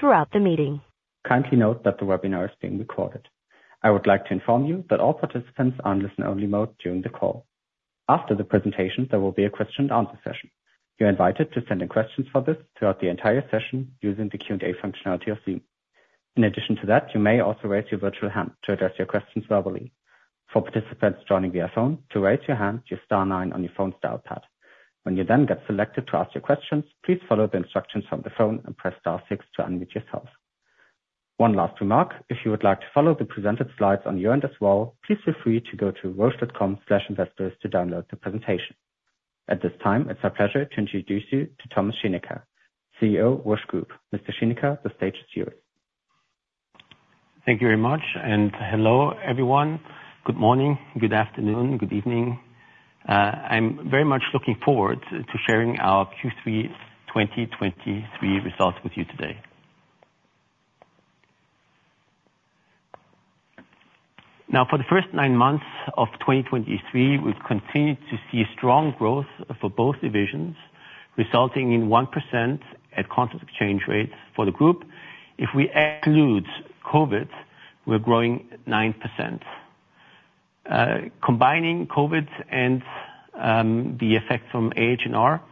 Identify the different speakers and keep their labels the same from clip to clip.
Speaker 1: Throughout the meeting. Kindly note that the webinar is being recorded. I would like to inform you that all participants are on listen-only mode during the call. After the presentation, there will be a question and answer session. You're invited to send in questions for this throughout the entire session using the Q&A functionality of Zoom. In addition to that, you may also raise your virtual hand to address your questions verbally. For participants joining via phone, to raise your hand, just star nine on your phone's dial pad. When you then get selected to ask your questions, please follow the instructions from the phone and press star six to unmute yourself. One last remark, if you would like to follow the presented slides on your end as well, please feel free to go to Roche.com/investors to download the presentation. At this time, it's my pleasure to introduce you to Thomas Schinecker, CEO, Roche Group. Mr. Schinecker, the stage is yours.
Speaker 2: Thank you very much, and hello, everyone. Good morning, good afternoon, good evening. I'm very much looking forward to sharing our Q3 2023 results with you today. Now, for the first nine months of 2023, we've continued to see strong growth for both divisions, resulting in 1% at constant exchange rates for the group. If we exclude COVID, we're growing 9%. Combining COVID and the effect from AH&R,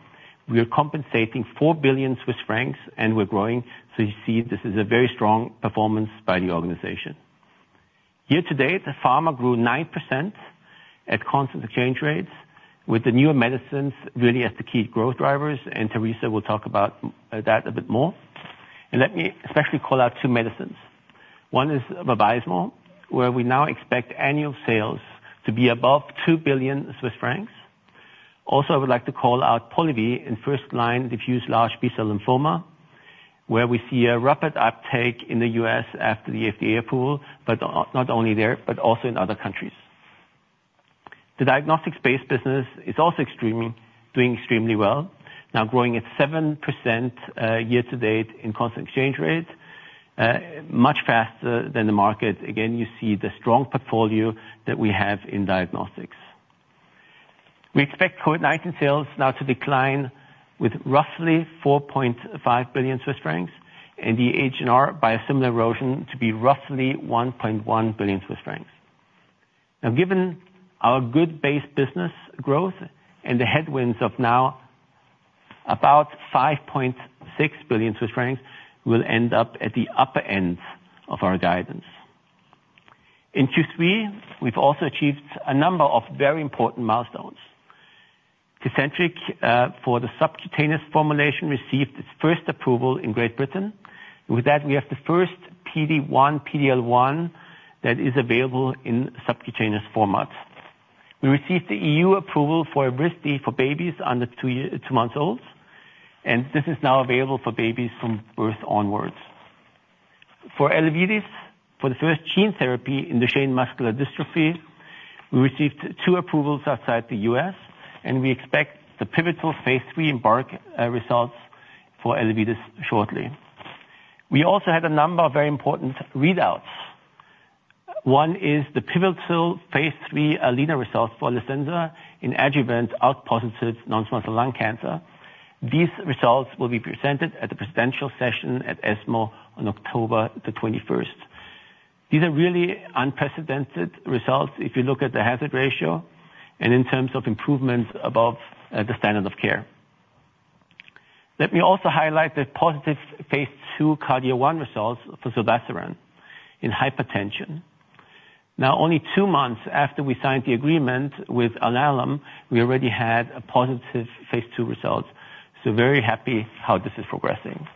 Speaker 2: we are compensating 4 billion Swiss francs, and we're growing. So you see, this is a very strong performance by the organization. Year to date, the pharma grew 9% at constant exchange rates, with the newer medicines really as the key growth drivers, and Teresa will talk about that a bit more. Let me especially call out two medicines. One is Vabysmo, where we now expect annual sales to be above 2 billion Swiss francs. Also, I would like to call out Polivy in first line diffuse large B-cell lymphoma, where we see a rapid uptake in the U.S. after the FDA approval, but not only there, but also in other countries. The diagnostics-based business is also extremely doing extremely well, now growing at 7%, year to date in constant exchange rates, much faster than the market. Again, you see the strong portfolio that we have in diagnostics. We expect COVID-19 sales now to decline with roughly 4.5 billion Swiss francs, and the AHR by a similar erosion to be roughly 1.1 billion Swiss francs. Now, given our good base business growth and the headwinds of now about 5.6 billion Swiss francs, we'll end up at the upper end of our guidance. In Q3, we've also achieved a number of very important milestones. Tecentriq for the subcutaneous formulation received its first approval in Great Britain. With that, we have the first PD-1, PD-L1 that is available in subcutaneous formats. We received the E.U. approval for Evrysdi for babies under two months old, and this is now available for babies from birth onwards. For Elevidys, for the first gene therapy in Duchenne muscular dystrophy, we received two approvals outside the U.S., and we expect the pivotal phase III EMBARK results for Elevidys shortly. We also had a number of very important readouts. One is the pivotal phase III ALINA results for Alecensa in adjuvant ALK-positive non-small cell lung cancer. These results will be presented at the presidential session at ESMO on October the 21st. These are really unprecedented results if you look at the hazard ratio and in terms of improvements above the standard of care. Let me also highlight the positive phase II CARDIO-1 results for zilebesiran in hypertension. Now, only two months after we signed the agreement with Alnylam, we already had a positive phase II result, so very happy how this is progressing.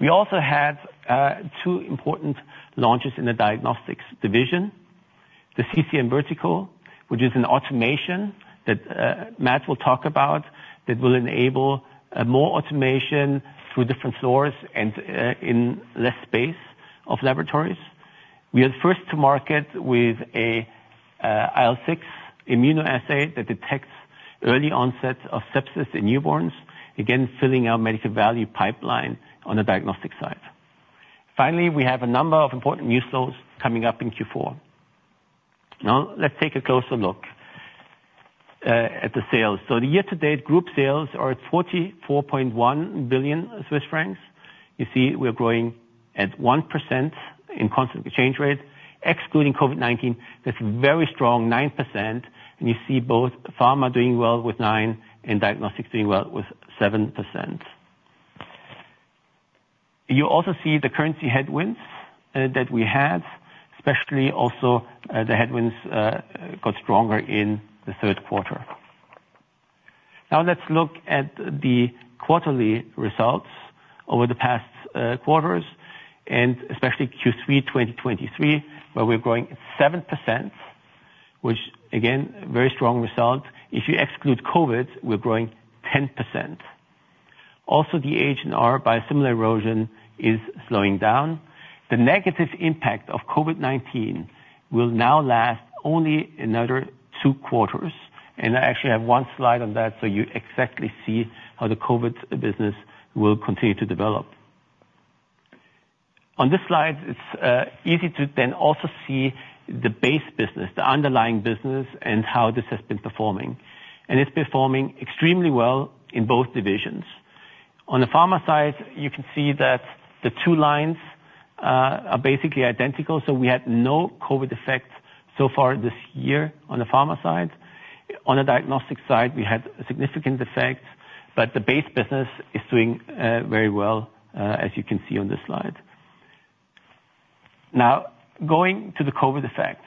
Speaker 2: We also had two important launches in the diagnostics division. The CCM Vertical, which is an automation that Matt will talk about, that will enable more automation through different stores and in less space of laboratories. We are first to market with a IL-6 immunoassay that detects early onset of sepsis in newborns, again, filling our medical value pipeline on the diagnostic side. Finally, we have a number of important news flows coming up in Q4. Now, let's take a closer look at the sales. So the year-to-date group sales are 44.1 billion Swiss francs. You see, we're growing at 1% in constant exchange rate, excluding COVID-19. That's very strong, 9%, and you see both pharma doing well with 9% and diagnostics doing well with 7%. You also see the currency headwinds that we had, especially also, the headwinds got stronger in the third quarter. Now let's look at the quarterly results over the past quarters, and especially Q3 2023, where we're growing at 7%, which again, a very strong result. If you exclude COVID, we're growing 10%. Also, the AHR by a similar erosion, is slowing down. The negative impact of COVID-19 will now last only another two quarters, and I actually have one slide on that, so you exactly see how the COVID business will continue to develop. On this slide, it's easy to then also see the base business, the underlying business, and how this has been performing. It's performing extremely well in both divisions. On the pharma side, you can see that the two lines are basically identical, so we had no COVID effect so far this year on the pharma side. On the diagnostic side, we had a significant effect, but the base business is doing very well as you can see on this slide. Now, going to the COVID effects.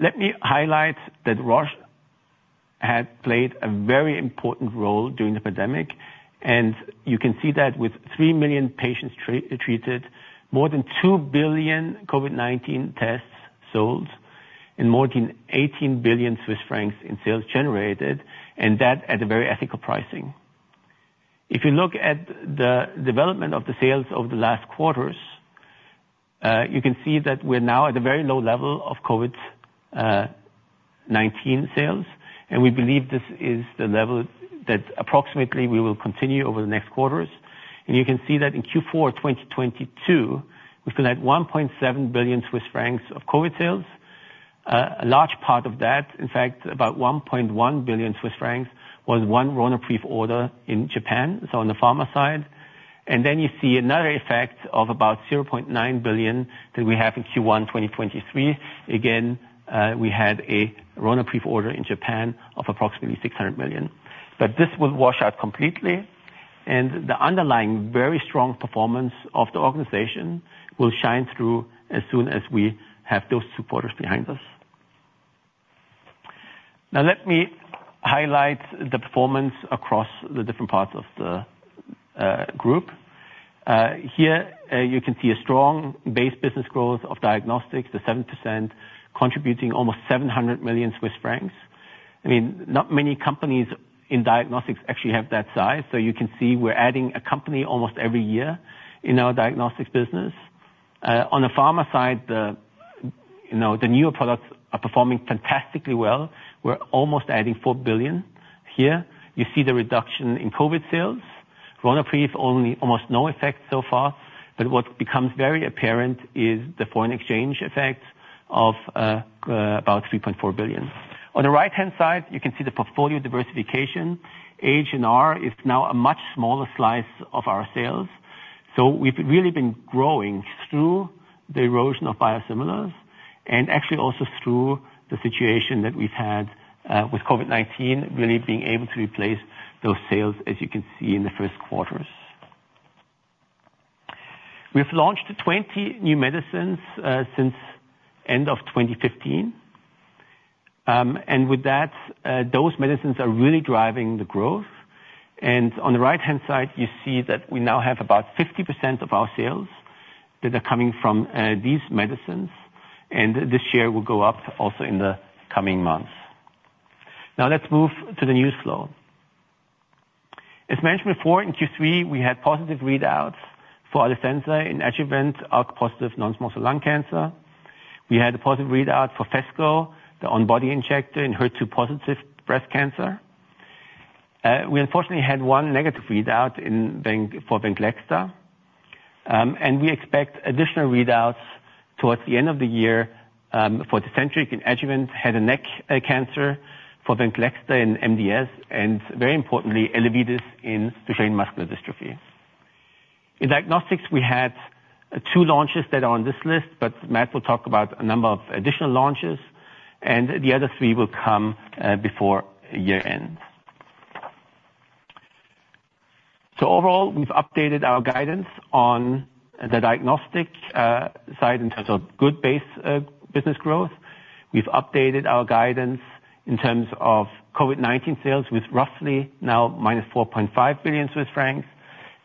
Speaker 2: Let me highlight that Roche has played a very important role during the pandemic, and you can see that with three million patients treated, more than two billion COVID-19 tests sold, and more than 18 billion Swiss francs in sales generated, and that at a very ethical pricing. If you look at the development of the sales over the last quarters, you can see that we're now at a very low level of COVID-19 sales, and we believe this is the level that approximately we will continue over the next quarters. And you can see that in Q4 2022, we've got 1.7 billion Swiss francs of COVID sales. A large part of that, in fact, about 1.1 billion Swiss francs, was one Ronapreve order in Japan, so on the pharma side. And then you see another effect of about 0.9 billion that we have in Q1 2023. Again, we had a Ronapreve order in Japan of approximately 600 million. But this will wash out completely, and the underlying very strong performance of the organization will shine through as soon as we have those supporters behind us. Now, let me highlight the performance across the different parts of the group. Here you can see a strong base business growth of diagnostics of 7%, contributing almost 700 million Swiss francs. I mean, not many companies in diagnostics actually have that size, so you can see we're adding a company almost every year in our diagnostics business. On the pharma side, you know, the newer products are performing fantastically well. We're almost adding 4 billion here. You see the reduction in COVID sales. Ronapreve only, almost no effect so far, but what becomes very apparent is the foreign exchange effect of about 3.4 billion. On the right-hand side, you can see the portfolio diversification. HNR is now a much smaller slice of our sales. So we've really been growing through the erosion of biosimilars and actually also through the situation that we've had with COVID-19, really being able to replace those sales, as you can see in the first quarters. We've launched 20 new medicines since end of 2015. And with that, those medicines are really driving the growth. And on the right-hand side, you see that we now have about 50% of our sales that are coming from these medicines, and this year will go up also in the coming months. Now, let's move to the news flow. As mentioned before, in Q3, we had positive readouts for Alecensa in adjuvant ALK-positive non-small cell lung cancer. We had a positive readout for Phesgo, the on-body injector in HER2-positive breast cancer. We unfortunately had one negative readout for Venclexta. And we expect additional readouts towards the end of the year, for Tecentriq in adjuvant head and neck cancer, for Venclexta in MDS, and very importantly, Elevidys in Duchenne muscular dystrophy. In diagnostics, we had two launches that are on this list, but Matt will talk about a number of additional launches, and the other three will come before year-end. So overall, we've updated our guidance on the diagnostic side in terms of good base business growth. We've updated our guidance in terms of COVID-19 sales with roughly now -4.5 billion Swiss francs,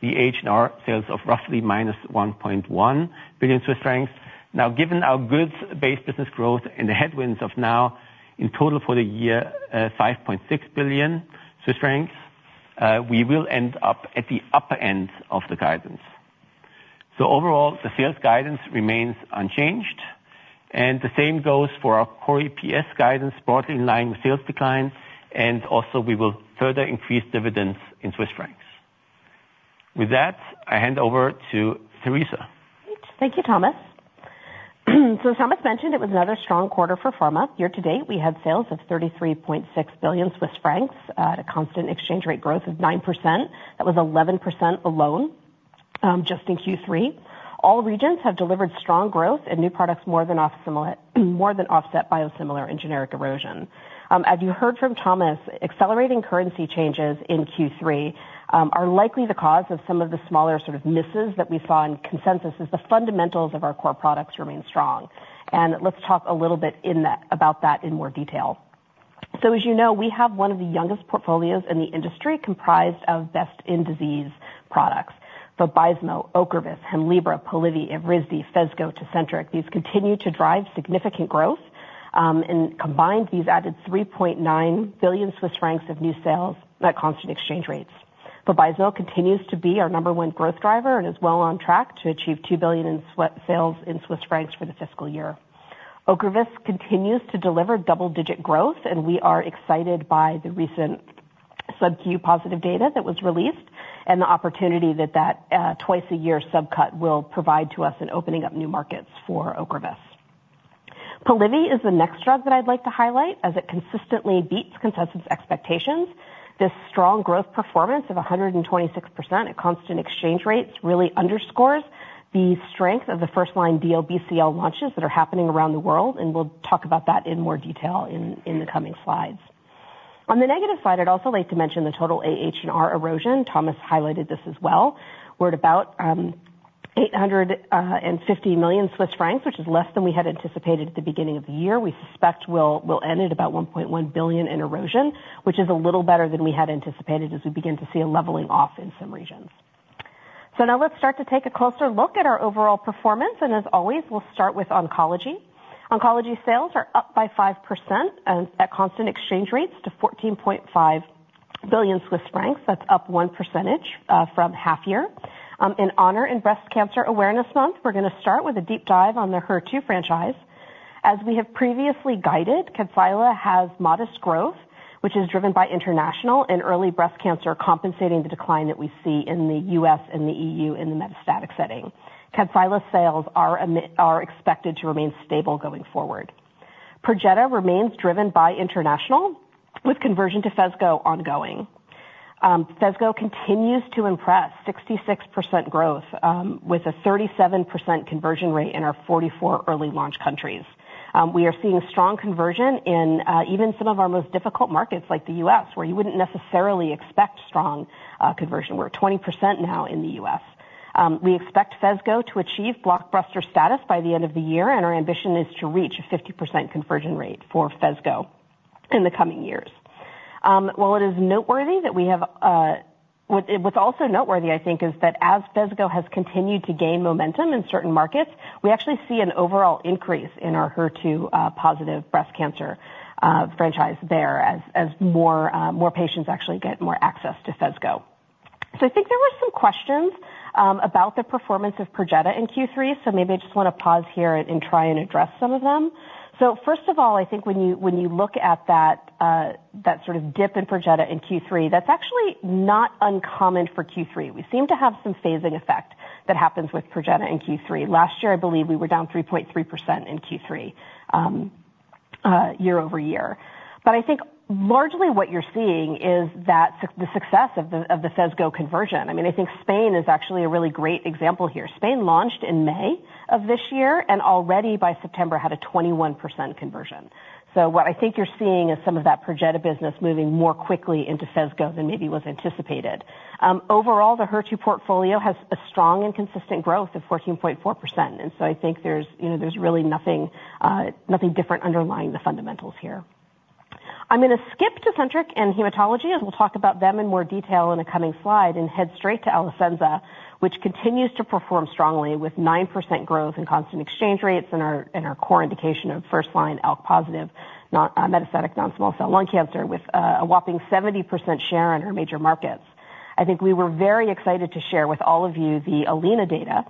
Speaker 2: the HNR sales of roughly -1.1 billion Swiss francs. Now, given our good base business growth and the headwinds of now in total for the year, 5.6 billion Swiss francs, we will end up at the upper end of the guidance. So overall, the sales guidance remains unchanged, and the same goes for our core EPS guidance, broadly in line with sales decline, and also we will further increase dividends in Swiss francs. With that, I hand over to Teresa.
Speaker 3: Thank you, Thomas. So Thomas mentioned it was another strong quarter for pharma. Year to date, we had sales of 33.6 billion Swiss francs at a constant exchange rate growth of 9%. That was 11% alone, just in Q3. All regions have delivered strong growth and new products more than offset biosimilar and generic erosion. As you heard from Thomas, accelerating currency changes in Q3 are likely the cause of some of the smaller sort of misses that we saw in consensus, as the fundamentals of our core products remain strong. And let's talk a little bit in that, about that in more detail. So as you know, we have one of the youngest portfolios in the industry, comprised of best-in-disease products. Vabysmo, Ocrevus, Hemlibra, Polivy, Evrysdi, Phesgo, Tecentriq. These continue to drive significant growth, and combined, these added 3.9 billion Swiss francs of new sales at constant exchange rates. Vabysmo continues to be our number one growth driver and is well on track to achieve 2 billion in sales in Swiss francs for the fiscal year. Ocrevus continues to deliver double-digit growth, and we are excited by the recent subQ positive data that was released and the opportunity that twice-a-year subQ will provide to us in opening up new markets for Ocrevus. Polivy is the next drug that I'd like to highlight, as it consistently beats consensus expectations. This strong growth performance of 126% at constant exchange rates really underscores the strength of the first-line DLBCL launches that are happening around the world, and we'll talk about that in more detail in the coming slides. On the negative side, I'd also like to mention the total AHR erosion. Thomas highlighted this as well. We're at about 850 million Swiss francs, which is less than we had anticipated at the beginning of the year. We suspect we'll end at about 1.1 billion in erosion, which is a little better than we had anticipated as we begin to see a leveling off in some regions. So now let's start to take a closer look at our overall performance, and as always, we'll start with oncology. Oncology sales are up by 5% at constant exchange rates to 14.5 billion Swiss francs. That's up one percentage from half year. In honor of Breast Cancer Awareness Month, we're going to start with a deep dive on the HER2 franchise. As we have previously guided, Kadcyla has modest growth, which is driven by international and early breast cancer, compensating the decline that we see in the U.S. and the E.U. in the metastatic setting. Kadcyla sales are expected to remain stable going forward. Perjeta remains driven by international, with conversion to Phesgo ongoing. Phesgo continues to impress 66% growth, with a 37% conversion rate in our 44 early launch countries. We are seeing strong conversion in even some of our most difficult markets, like the U.S., where you wouldn't necessarily expect strong conversion. We're at 20% now in the U.S. We expect Phesgo to achieve blockbuster status by the end of the year, and our ambition is to reach a 50% conversion rate for Phesgo in the coming years. While it is noteworthy that we have... What's also noteworthy, I think, is that as Phesgo has continued to gain momentum in certain markets, we actually see an overall increase in our HER2-positive breast cancer franchise there as more patients actually get more access to Phesgo. So I think there were some questions about the performance of Perjeta in Q3, so maybe I just want to pause here and try and address some of them. So first of all, I think when you look at that sort of dip in Perjeta in Q3, that's actually not uncommon for Q3. We seem to have some phasing effect that happens with Perjeta in Q3. Last year, I believe we were down 3.3% in Q3 year-over-year. But I think largely what you're seeing is that the success of the, of the Phesgo conversion. I mean, I think Spain is actually a really great example here. Spain launched in May of this year, and already by September, had a 21% conversion. So what I think you're seeing is some of that Perjeta business moving more quickly into Phesgo than maybe was anticipated. Overall, the HER2 portfolio has a strong and consistent growth of 14.4%, and so I think there's, you know, there's really nothing, nothing different underlying the fundamentals here. I'm going to skip to Oncology and Hematology, as we'll talk about them in more detail in a coming slide, and head straight to Alecensa, which continues to perform strongly with 9% growth at constant exchange rates in our, in our core indication of first-line ALK-positive, non, metastatic non-small cell lung cancer, with, a whopping 70% share in our major markets. I think we were very excited to share with all of you the ALINA data,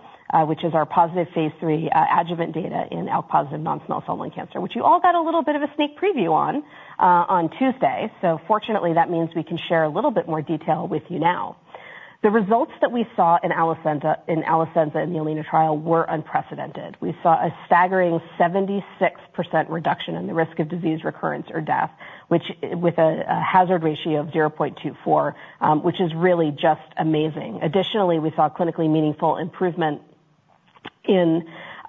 Speaker 3: which is our positive phase III, adjuvant data in ALK-positive non-small cell lung cancer, which you all got a little bit of a sneak preview on, on Tuesday. So fortunately, that means we can share a little bit more detail with you now. The results that we saw in Alecensa, in Alecensa in the ALINA trial were unprecedented. We saw a staggering 76% reduction in the risk of disease recurrence or death, which, with a hazard ratio of 0.24, which is really just amazing. Additionally, we saw clinically meaningful improvement in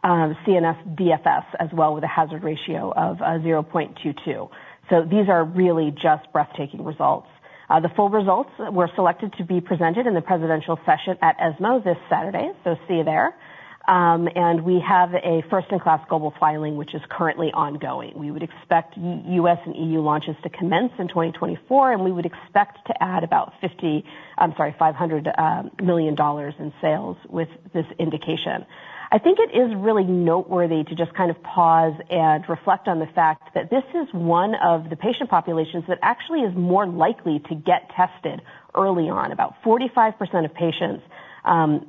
Speaker 3: CNS DFS as well, with a hazard ratio of 0.22. So these are really just breathtaking results. The full results were selected to be presented in the presidential session at ESMO this Saturday, so see you there. And we have a first-in-class global filing, which is currently ongoing. We would expect U.S. and E.U. launches to commence in 2024, and we would expect to add about $500 million in sales with this indication. I think it is really noteworthy to just kind of pause and reflect on the fact that this is one of the patient populations that actually is more likely to get tested early on. About 45% of patients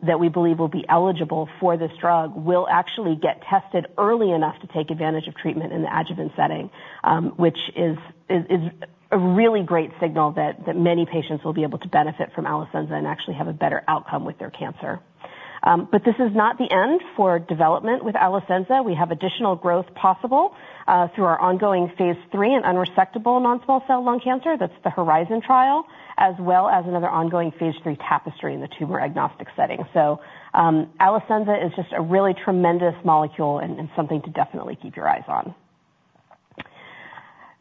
Speaker 3: that we believe will be eligible for this drug will actually get tested early enough to take advantage of treatment in the adjuvant setting, which is a really great signal that many patients will be able to benefit from Alecensa and actually have a better outcome with their cancer. But this is not the end for development with Alecensa. We have additional growth possible through our ongoing phase III and unresectable non-small cell lung cancer. That's the Horizon trial, as well as another ongoing phase III Tapestry in the tumor-agnostic setting. So, Alecensa is just a really tremendous molecule and something to definitely keep your eyes on.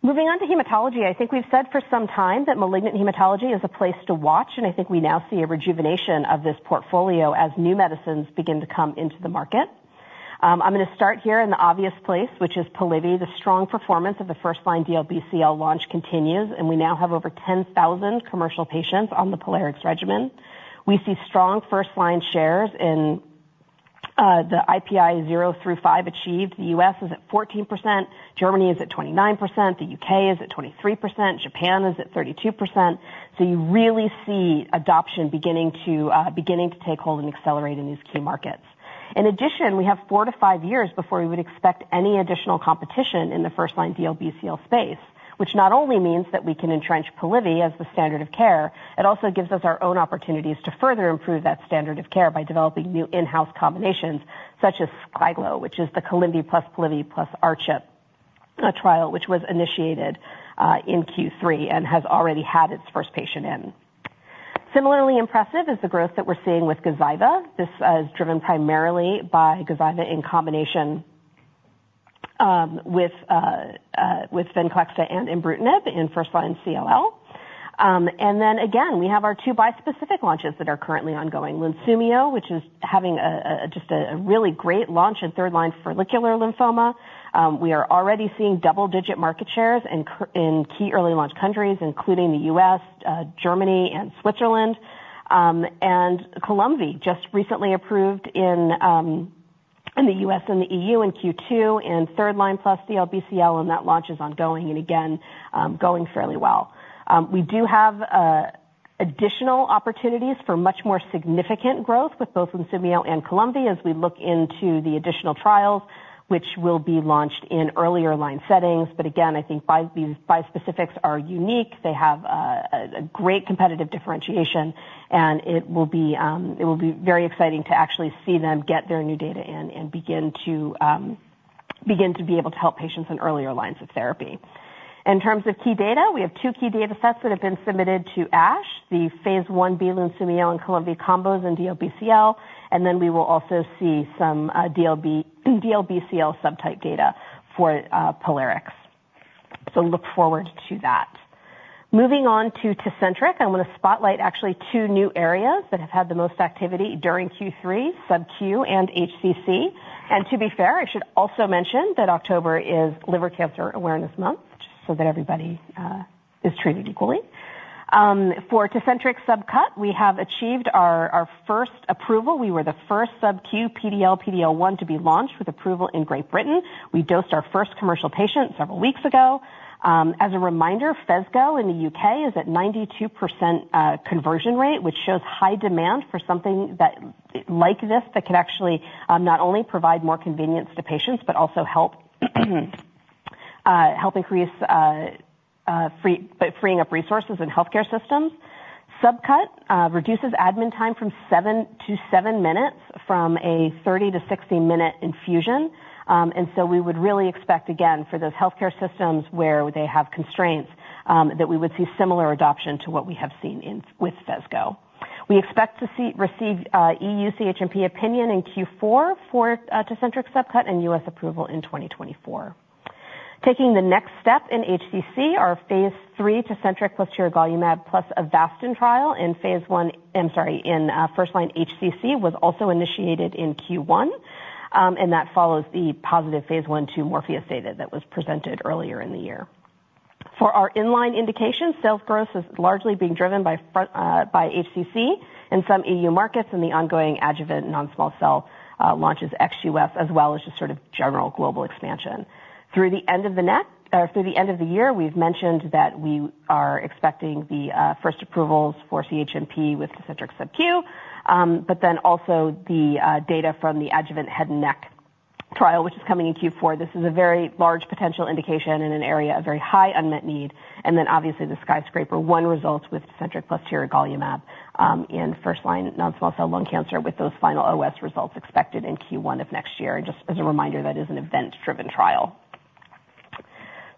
Speaker 3: Moving on to hematology, I think we've said for some time that malignant hematology is a place to watch, and I think we now see a rejuvenation of this portfolio as new medicines begin to come into the market. I'm gonna start here in the obvious place, which is Polivy. The strong performance of the first-line DLBCL launch continues, and we now have over 10,000 commercial patients on the POLARIX regimen. We see strong first-line shares in the IPI 0 through five achieved. The U.S. is at 14%, Germany is at 29%, the U.K. is at 23%, Japan is at 32%. So you really see adoption beginning to beginning to take hold and accelerate in these key markets. In addition, we have four to five years before we would expect any additional competition in the first-line DLBCL space, which not only means that we can entrench Polivy as the standard of care, it also gives us our own opportunities to further improve that standard of care by developing new in-house combinations such as SKYGLO, which is the Columvi plus Polivy plus R-CHOP, a trial which was initiated in Q3 and has already had its first patient in. Similarly impressive is the growth that we're seeing with Gazyva. This is driven primarily by Gazyva in combination with Venclexta and Ibrutinib in first-line CLL. And then again, we have our two bispecific launches that are currently ongoing. Lunsumio, which is having a really great launch in third-line follicular lymphoma. We are already seeing double-digit market shares in key early launch countries, including the U.S., Germany, and Switzerland. And Columvi just recently approved in the U.S. and the E.U. in Q2, in third line plus DLBCL, and that launch is ongoing, and again, going fairly well. We do have additional opportunities for much more significant growth with both Lunsumio and Columvi as we look into the additional trials, which will be launched in earlier line settings. But again, I think these bispecifics are unique. They have a great competitive differentiation, and it will be very exciting to actually see them get their new data in and begin to be able to help patients in earlier lines of therapy. In terms of key data, we have two key data sets that have been submitted to ASH, the Phase 1b Lunsumio and Columvi combos in DLBCL, and then we will also see some DLBCL subtype data for Polivy. Look forward to that. Moving on to Tecentriq, I'm gonna spotlight actually two new areas that have had the most activity during Q3, subQ and HCC. To be fair, I should also mention that October is Liver Cancer Awareness Month, just so that everybody is treated equally. For Tecentriq subQ, we have achieved our first approval. We were the first subQ PD-L1 to be launched with approval in Great Britain. We dosed our first commercial patient several weeks ago. As a reminder, Phesgo in the U.K. is at 92% conversion rate, which shows high demand for something like this, that can actually not only provide more convenience to patients, but also help increase by freeing up resources in healthcare systems. subQ reduces admin time from seven to seven minutes, from a 30- to 60-minute infusion. And so we would really expect, again, for those healthcare systems where they have constraints, that we would see similar adoption to what we have seen with Phesgo. We expect to receive E.U. CHMP opinion in Q4 for Tecentriq subQ and U.S. approval in 2024. Taking the next step in HCC, our phase III Tecentriq plus tiragolumab plus Avastin trial in phase I... I'm sorry, in first-line HCC, was also initiated in Q1, and that follows the positive phase 1/2 Morpheus data that was presented earlier in the year. For our in-line indications, sales growth is largely being driven by front, by HCC in some E.U. markets, and the ongoing adjuvant non-small cell launch is ex-U.S., as well as just sort of general global expansion. Through the end of the year, we've mentioned that we are expecting the first approvals for CHMP with Tecentriq subQ, but then also the data from the adjuvant head and neck trial, which is coming in Q4. This is a very large potential indication in an area of very high unmet need, and then obviously, the skyscraper one results with Tecentriq plus tiragolumab in first-line non-small cell lung cancer, with those final OS results expected in Q1 of next year. Just as a reminder, that is an event-driven trial.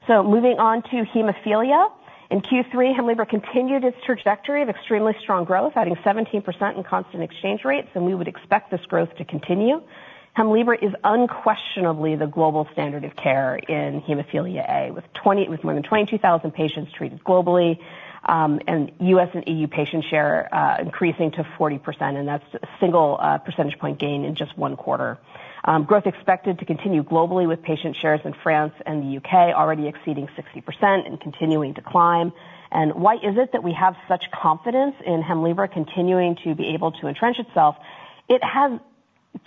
Speaker 3: So moving on to hemophilia. In Q3, HEMLIBRA continued its trajectory of extremely strong growth, adding 17% in constant exchange rates, and we would expect this growth to continue. HEMLIBRA is unquestionably the global standard of care in hemophilia A, with more than 22,000 patients treated globally, and U.S. and E.U. patient share increasing to 40%, and that's a single percentage point gain in just one quarter. Growth expected to continue globally, with patient shares in France and the UK already exceeding 60% and continuing to climb. Why is it that we have such confidence in HEMLIBRA continuing to be able to entrench itself? It has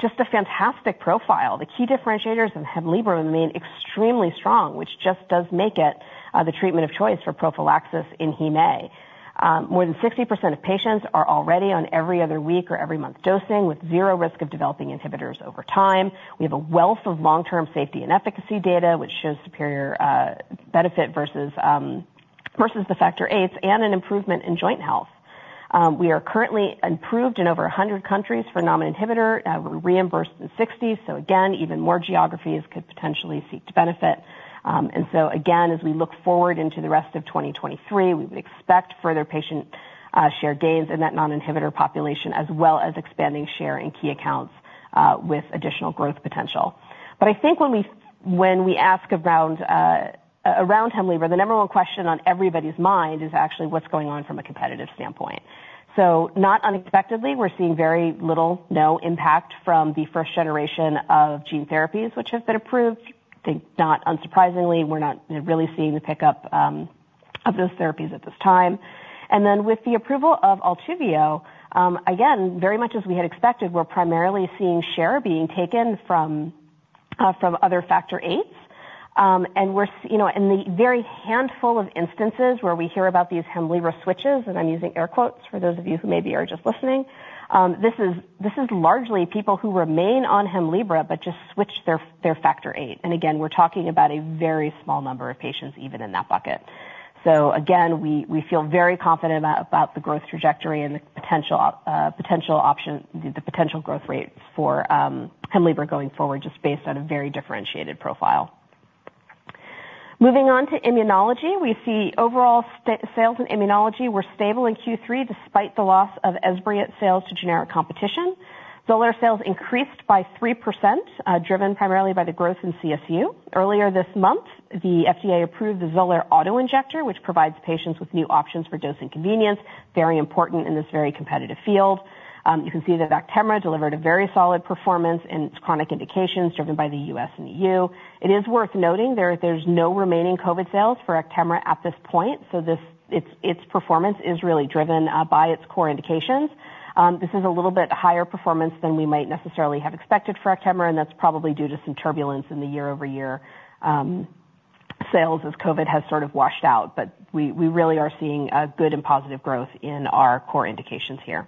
Speaker 3: just a fantastic profile. The key differentiators in HEMLIBRA remain extremely strong, which just does make it the treatment of choice for prophylaxis in hemophilia A. More than 60% of patients are already on every other week or every month dosing, with zero risk of developing inhibitors over time. We have a wealth of long-term safety and efficacy data, which shows superior benefit versus the factor VIII and an improvement in joint health. We are currently approved in over 100 countries for non-inhibitor, reimbursed in 60. So again, even more geographies could potentially seek to benefit. And so again, as we look forward into the rest of 2023, we would expect further patient share gains in that non-inhibitor population, as well as expanding share in key accounts with additional growth potential. But I think when we, when we ask around around HEMLIBRA, the number one question on everybody's mind is actually what's going on from a competitive standpoint. So not unexpectedly, we're seeing very little, no impact from the first generation of gene therapies which have been approved. I think not unsurprisingly, we're not really seeing the pickup of those therapies at this time. And then with the approval of Altuvio, again, very much as we had expected, we're primarily seeing share being taken from other factor eights.... And we're, you know, in the very handful of instances where we hear about these HEMLIBRA switches, and I'm using air quotes for those of you who maybe are just listening, this is largely people who remain on HEMLIBRA, but just switch their factor VIII. And again, we're talking about a very small number of patients even in that bucket. So again, we feel very confident about the growth trajectory and the potential option, the potential growth rates for HEMLIBRA going forward, just based on a very differentiated profile. Moving on to immunology. We see overall sales in immunology were stable in Q3, despite the loss of Esbriet sales to generic competition. Xolair sales increased by 3%, driven primarily by the growth in CSU. Earlier this month, the FDA approved the Xolair auto-injector, which provides patients with new options for dosing convenience, very important in this very competitive field. You can see that Actemra delivered a very solid performance in its chronic indications, driven by the U.S. and E.U. It is worth noting there, there's no remaining COVID sales for Actemra at this point, so its performance is really driven by its core indications. This is a little bit higher performance than we might necessarily have expected for Actemra, and that's probably due to some turbulence in the year-over-year sales as COVID has sort of washed out. But we really are seeing a good and positive growth in our core indications here.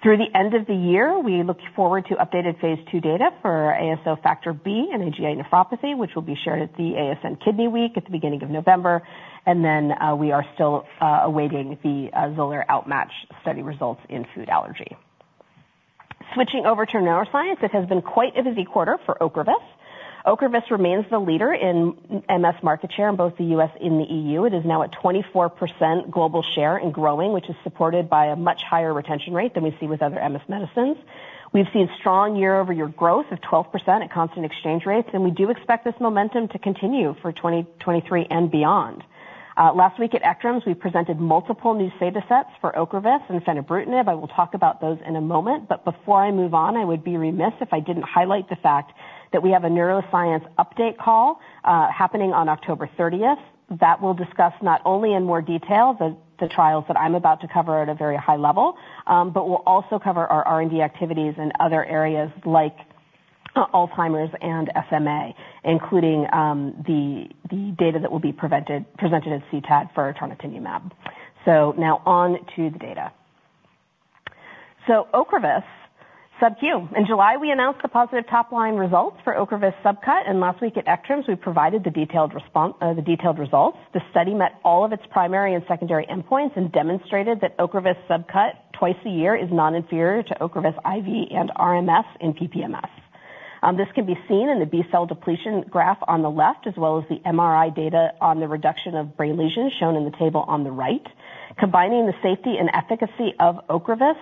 Speaker 3: Through the end of the year, we look forward to updated phase II data for ASO Factor B in IgA nephropathy, which will be shared at the ASN Kidney Week at the beginning of November, and then, we are still awaiting the Xolair outmatch study results in food allergy. Switching over to neuroscience, this has been quite a busy quarter for Ocrevus. Ocrevus remains the leader in MS market share in both the U.S. and the E.U.. It is now at 24% global share and growing, which is supported by a much higher retention rate than we see with other MS medicines. We've seen strong year-over-year growth of 12% at constant exchange rates, and we do expect this momentum to continue for 2023 and beyond. Last week at ECTRIMS, we presented multiple new data sets for Ocrevus and venetoclax. I will talk about those in a moment, but before I move on, I would be remiss if I didn't highlight the fact that we have a neuroscience update call happening on October 30th. That will discuss not only in more detail the trials that I'm about to cover at a very high level, but will also cover our R&D activities in other areas like Alzheimer's and SMA, including the data that will be presented at CTAD for trontinemab. Now on to the data. Ocrevus subQ. In July, we announced the positive top-line results for Ocrevus subQ, and last week at ECTRIMS, we provided the detailed results. The study met all of its primary and secondary endpoints and demonstrated that Ocrevus subQ twice a year is non-inferior to Ocrevus IV in RMS and PPMS. This can be seen in the B-cell depletion graph on the left, as well as the MRI data on the reduction of brain lesions shown in the table on the right. Combining the safety and efficacy of Ocrevus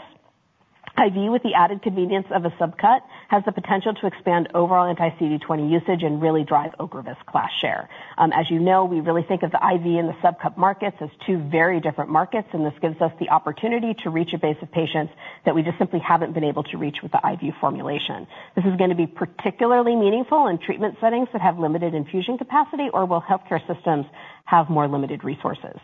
Speaker 3: IV with the added convenience of a subcut has the potential to expand overall anti-CD20 usage and really drive Ocrevus class share. As you know, we really think of the IV and the subcut markets as two very different markets, and this gives us the opportunity to reach a base of patients that we just simply haven't been able to reach with the IV formulation. This is gonna be particularly meaningful in treatment settings that have limited infusion capacity or will healthcare systems have more limited resources.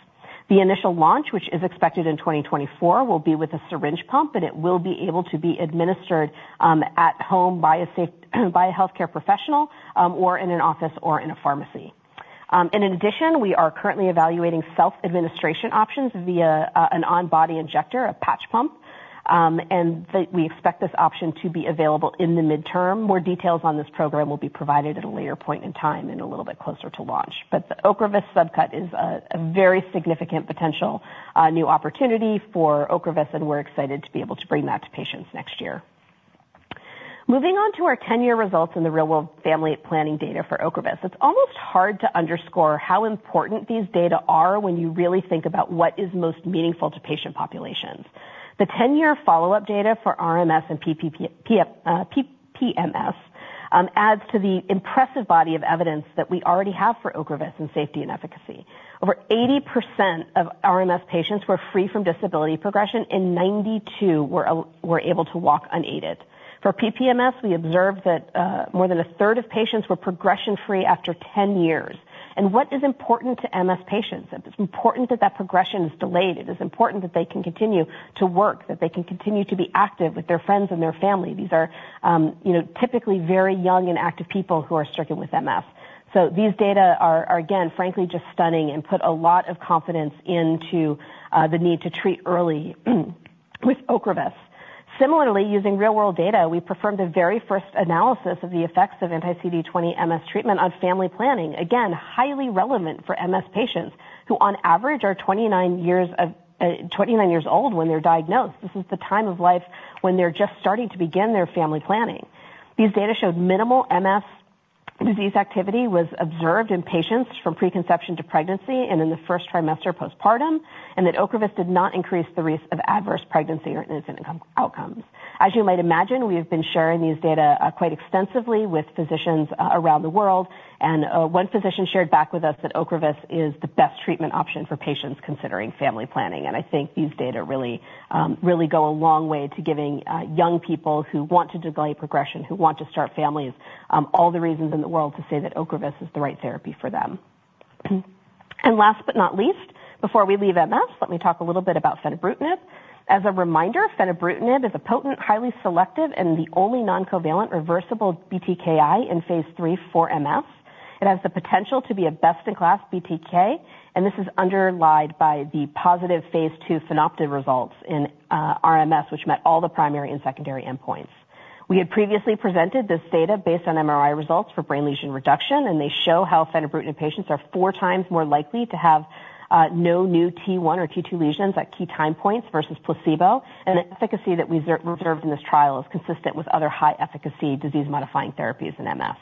Speaker 3: The initial launch, which is expected in 2024, will be with a syringe pump, and it will be able to be administered, at home by a safe, by a healthcare professional, or in an office or in a pharmacy. And in addition, we are currently evaluating self-administration options via, an on-body injector, a patch pump, and we expect this option to be available in the midterm. More details on this program will be provided at a later point in time and a little bit closer to launch. But the Ocrevus subcut is a, a very significant potential, new opportunity for Ocrevus, and we're excited to be able to bring that to patients next year. Moving on to our 10-year results in the real-world family planning data for Ocrevus. It's almost hard to underscore how important these data are when you really think about what is most meaningful to patient populations. The 10-year follow-up data for RMS and PPMS adds to the impressive body of evidence that we already have for Ocrevus in safety and efficacy. Over 80% of RMS patients were free from disability progression, and 92 were able to walk unaided. For PPMS, we observed that more than a third of patients were progression-free after 10 years. What is important to MS patients? It is important that that progression is delayed. It is important that they can continue to work, that they can continue to be active with their friends and their family. These are, you know, typically very young and active people who are stricken with MS. These data are again, frankly, just stunning and put a lot of confidence into the need to treat early with Ocrevus. Similarly, using real-world data, we performed the very first analysis of the effects of anti-CD20 MS treatment on family planning. Again, highly relevant for MS patients, who on average are 29 years old when they're diagnosed. This is the time of life when they're just starting to begin their family planning. These data showed minimal MS disease activity was observed in patients from preconception to pregnancy and in the first trimester postpartum, and that Ocrevus did not increase the risk of adverse pregnancy or incident outcomes. As you might imagine, we have been sharing these data quite extensively with physicians around the world, and one physician shared back with us that Ocrevus is the best treatment option for patients considering family planning. I think these data really go a long way to giving young people who want to delay progression, who want to start families, all the reasons in the world to say that Ocrevus is the right therapy for them. Last but not least, before we leave MS, let me talk a little bit about fenebrutinib. As a reminder, fenebrutinib is a potent, highly selective and the only non-covalent reversible BTKI in phase three for MS. It has the potential to be a best-in-class BTK, and this is underlined by the positive phase two SYNOPTiC results in RMS, which met all the primary and secondary endpoints. We had previously presented this data based on MRI results for brain lesion reduction, and they show how fenebrutinib patients are four times more likely to have no new T1 or T2 lesions at key time points versus placebo, and efficacy that we observed in this trial is consistent with other high-efficacy disease-modifying therapies in MS.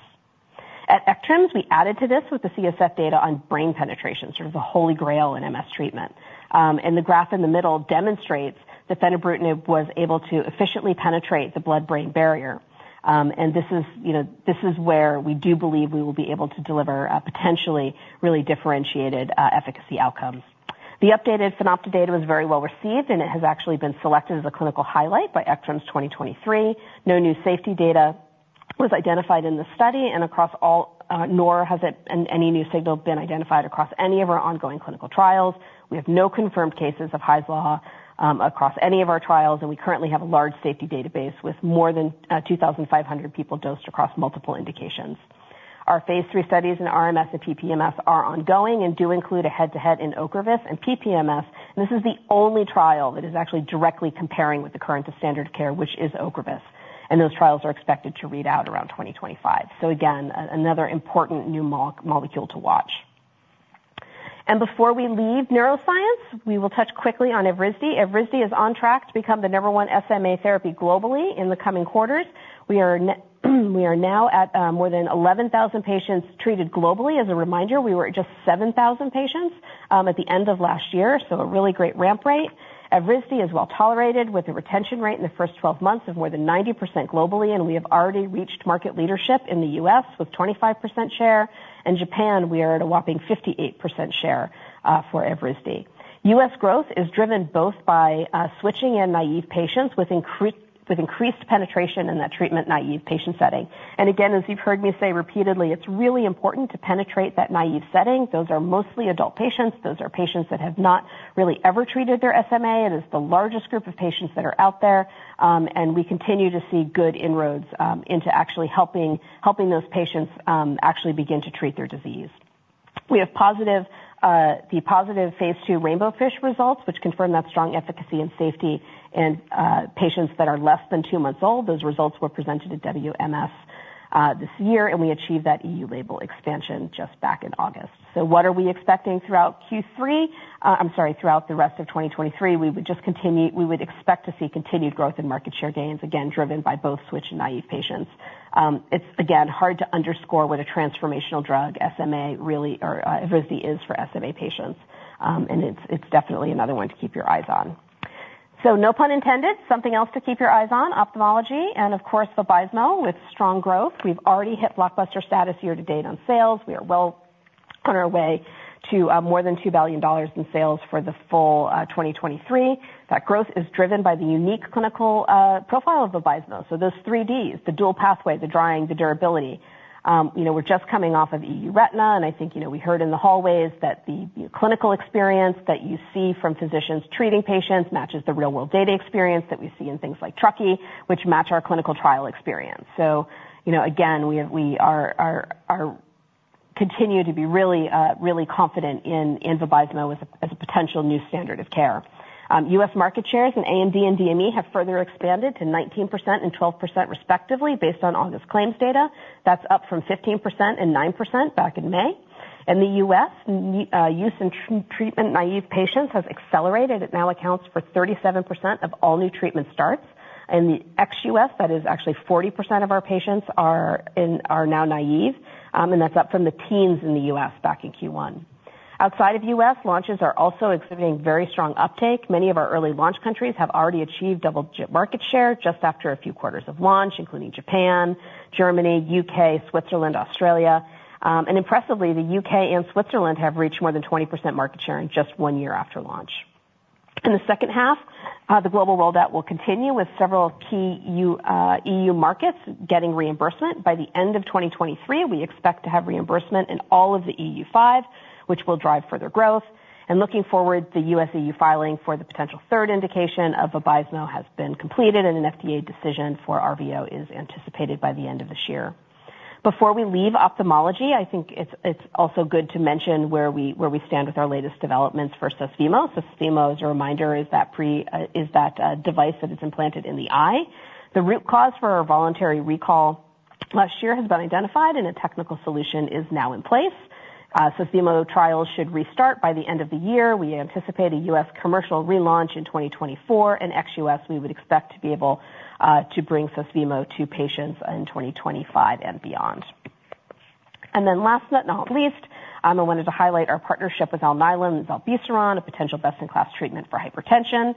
Speaker 3: At ECTRIMS, we added to this with the CSF data on brain penetration, sort of the holy grail in MS treatment. And the graph in the middle demonstrates that fenebrutinib was able to efficiently penetrate the blood-brain barrier. And this is, you know, this is where we do believe we will be able to deliver a potentially really differentiated efficacy outcome. The updated synoptic data was very well received, and it has actually been selected as a clinical highlight by ECTRIMS 2023. No new safety data was identified in the study and across all, Nor has it, and any new signal been identified across any of our ongoing clinical trials. We have no confirmed cases of Hy's Law across any of our trials, and we currently have a large safety database with more than 2,500 people dosed across multiple indications. Our phase III studies in RMS and PPMS are ongoing and do include a head-to-head in Ocrevus and PPMS, and this is the only trial that is actually directly comparing with the current standard of care, which is Ocrevus, and those trials are expected to read out around 2025. So again, another important new molecule to watch. And before we leave neuroscience, we will touch quickly on Evrysdi. Evrysdi is on track to become the number one SMA therapy globally in the coming quarters. We are now at more than 11,000 patients treated globally. As a reminder, we were at just 7,000 patients at the end of last year, so a really great ramp rate. Evrysdi is well-tolerated, with a retention rate in the first 12 months of more than 90% globally, and we have already reached market leadership in the U.S., with 25% share. In Japan, we are at a whopping 58% share for Evrysdi. U.S. growth is driven both by switching in naive patients with increased penetration in that treatment-naive patient setting. And again, as you've heard me say repeatedly, it's really important to penetrate that naive setting. Those are mostly adult patients. Those are patients that have not really ever treated their SMA, and it's the largest group of patients that are out there, and we continue to see good inroads into actually helping, helping those patients actually begin to treat their disease. We have the positive phase two Rainbowfish results, which confirm that strong efficacy and safety in patients that are less than two months old. Those results were presented at WMS this year, and we achieved that E.U. label expansion just back in August. So what are we expecting throughout Q3? I'm sorry, throughout the rest of 2023, we would just continue... We would expect to see continued growth in market share gains, again, driven by both switch and naive patients. It's again, hard to underscore what a transformational drug SMA really or, Evrysdi is for SMA patients. And it's definitely another one to keep your eyes on. So no pun intended, something else to keep your eyes on, ophthalmology, and of course, Vabysmo, with strong growth. We've already hit blockbuster status year to date on sales. We are well on our way to more than $2 billion in sales for the full 2023. That growth is driven by the unique clinical profile of Vabysmo. So those three Ds, the dual pathway, the drying, the durability. You know, we're just coming off of EURETINA, and I think, you know, we heard in the hallways that the clinical experience that you see from physicians treating patients matches the real-world data experience that we see in things like Chucky, which match our clinical trial experience. So you know, again, we continue to be really really confident in Vabysmo as a potential new standard of care. U.S. market shares in AMD and DME have further expanded to 19% and 12%, respectively, based on August claims data. That's up from 15% and 9% back in May. In the U.S., use in treatment-naive patients has accelerated. It now accounts for 37% of all new treatment starts. In the ex-U.S., that is actually 40% of our patients are now naive, and that's up from the teens in the U.S. back in Q1. Outside of U.S., launches are also exhibiting very strong uptake. Many of our early launch countries have already achieved double-digit market share just after a few quarters of launch, including Japan, Germany, U.K., Switzerland, Australia. And impressively, the U.K. and Switzerland have reached more than 20% market share in just one year after launch. In the second half, the global rollout will continue with several key E.U. markets getting reimbursement. By the end of 2023, we expect to have reimbursement in all of the E.U. 5, which will drive further growth. And looking forward, the U.S./E.U. filing for the potential third indication of Vabysmo has been completed, and an FDA decision for RVO is anticipated by the end of this year. Before we leave ophthalmology, I think it's also good to mention where we stand with our latest developments for Susvimo. Susvimo, as a reminder, is that device that is implanted in the eye. The root cause for our voluntary recall last year has been identified, and a technical solution is now in place. Susvimo trials should restart by the end of the year. We anticipate a U.S. commercial relaunch in 2024, and ex-U.S., we would expect to be able to bring Susvimo to patients in 2025 and beyond. And then last but not least, I wanted to highlight our partnership with Alnylam and zilebesiran, a potential best-in-class treatment for hypertension.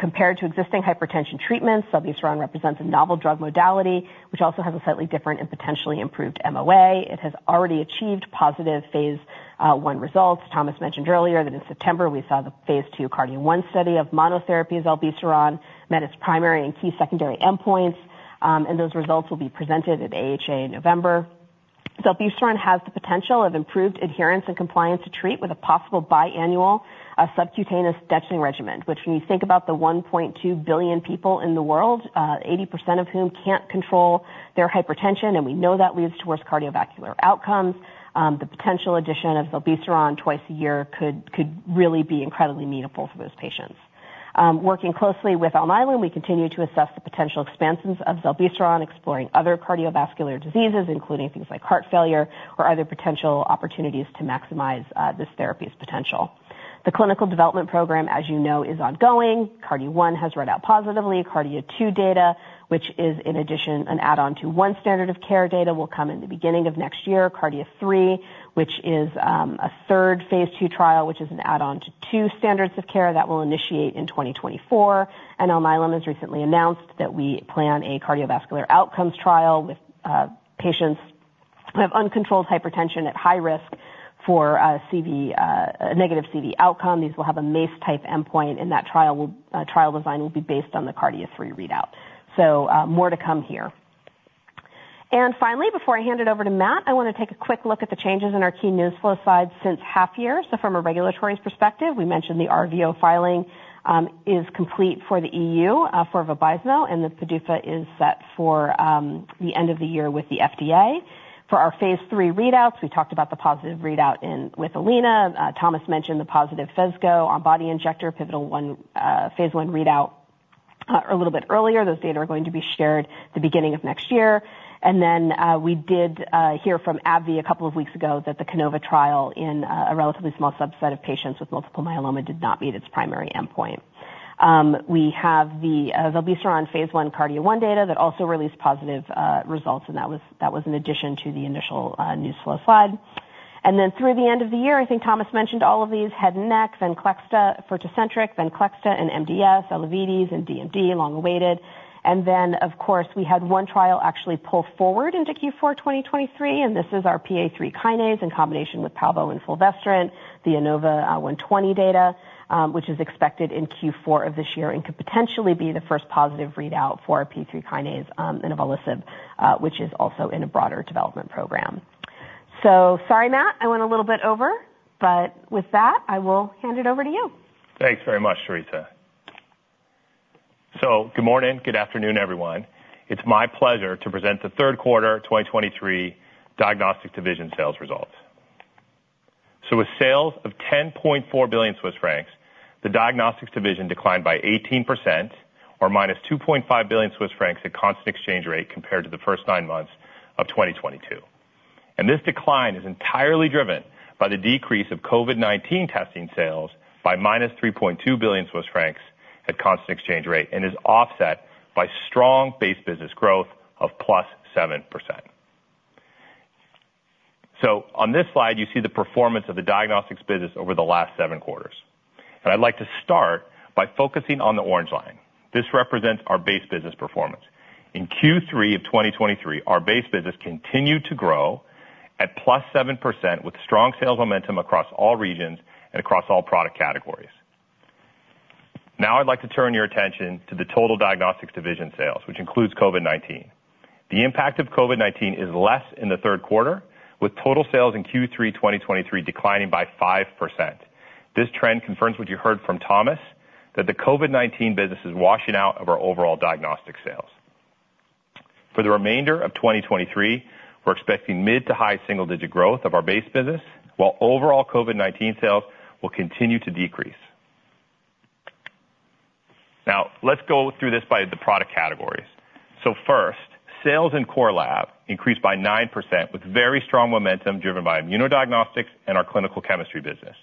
Speaker 3: Compared to existing hypertension treatments, zilebesiran represents a novel drug modality, which also has a slightly different and potentially improved MOA. It has already achieved positive phase one results. Thomas mentioned earlier that in September, we saw the phase II cardio one study of monotherapy zilebesiran met its primary and key secondary endpoints, and those results will be presented at AHA in November. So zilebesiran has the potential of improved adherence and compliance to treat with a possible biannual subcutaneous injection regimen, which when you think about the 1.2 billion people in the world, 80% of whom can't control their hypertension, and we know that leads towards cardiovascular outcomes, the potential addition of zilebesiran twice a year could really be incredibly meaningful for those patients. Working closely with Alnylam, we continue to assess the potential expansions of zilebesiran, exploring other cardiovascular diseases, including things like heart failure or other potential opportunities to maximize this therapy's potential. The clinical development program, as you know, is ongoing. KARDIA-1 has read out positively. KARDIA-2 data, which is in addition, an add-on to one standard of care data, will come in the beginning of next year. KARDIA-3, which is, a third phase II trial, which is an add-on to two standards of care, that will initiate in 2024. Alnylam has recently announced that we plan a cardiovascular outcomes trial with patients who have uncontrolled hypertension at high risk for CV, negative CV outcome. These will have a MACE-type endpoint, and that trial will, trial design will be based on the KARDIA-3 readout. So, more to come here. Finally, before I hand it over to Matt, I want to take a quick look at the changes in our key news flow slide since half year. From a regulatory perspective, we mentioned the RVO filing is complete for the E.U. for Vabysmo, and the PDUFA is set for the end of the year with the FDA. For our phase three readouts, we talked about the positive readout with Alnylam. Thomas mentioned the positive Phesgo on-body injector pivotal phase I readout a little bit earlier. Those data are going to be shared the beginning of next year. And then, we did hear from AbbVie a couple of weeks ago that the CANOVA trial in a relatively small subset of patients with multiple myeloma did not meet its primary endpoint. We have the zilebesiran phase I KARDIA-1 data that also released positive results, and that was in addition to the initial news flow slide. And then through the end of the year, I think Thomas mentioned all of these headwinds, Venclexta, for Tecentriq, Venclexta and MDS, Elevidys and DMD, long-awaited. And then, of course, we had one trial actually pull forward into Q4 2023, and this is our PI3 kinase in combination with palbo and fulvestrant, the INAVO120 data, which is expected in Q4 of this year and could potentially be the first positive readout for our PI3 kinase in inavolisib, which is also in a broader development program. So sorry, Matt, I went a little bit over, but with that, I will hand it over to you.
Speaker 4: Thanks very much, Teresa. Good morning. Good afternoon, everyone. It's my pleasure to present the third quarter, 2023 Diagnostics Division sales results. With sales of 10.4 billion Swiss francs, the Diagnostics Division declined by 18% or -2.5 billion Swiss francs at constant exchange rate compared to the first nine months of 2022. This decline is entirely driven by the decrease of COVID-19 testing sales by -3.2 billion Swiss francs at constant exchange rate, and is offset by strong base business growth of +7%. On this slide, you see the performance of the Diagnostics business over the last seven quarters, and I'd like to start by focusing on the orange line. This represents our base business performance. In Q3 of 2023, our base business continued to grow at +7%, with strong sales momentum across all regions and across all product categories. Now, I'd like to turn your attention to the total diagnostics division sales, which includes COVID-19. The impact of COVID-19 is less in the third quarter, with total sales in Q3, 2023 declining by 5%. This trend confirms what you heard from Thomas, that the COVID-19 business is washing out of our overall diagnostic sales. For the remainder of 2023, we're expecting mid- to high single-digit growth of our base business, while overall COVID-19 sales will continue to decrease. Now, let's go through this by the product categories. So first, sales in core lab increased by 9%, with very strong momentum driven by immunodiagnostics and our clinical chemistry business.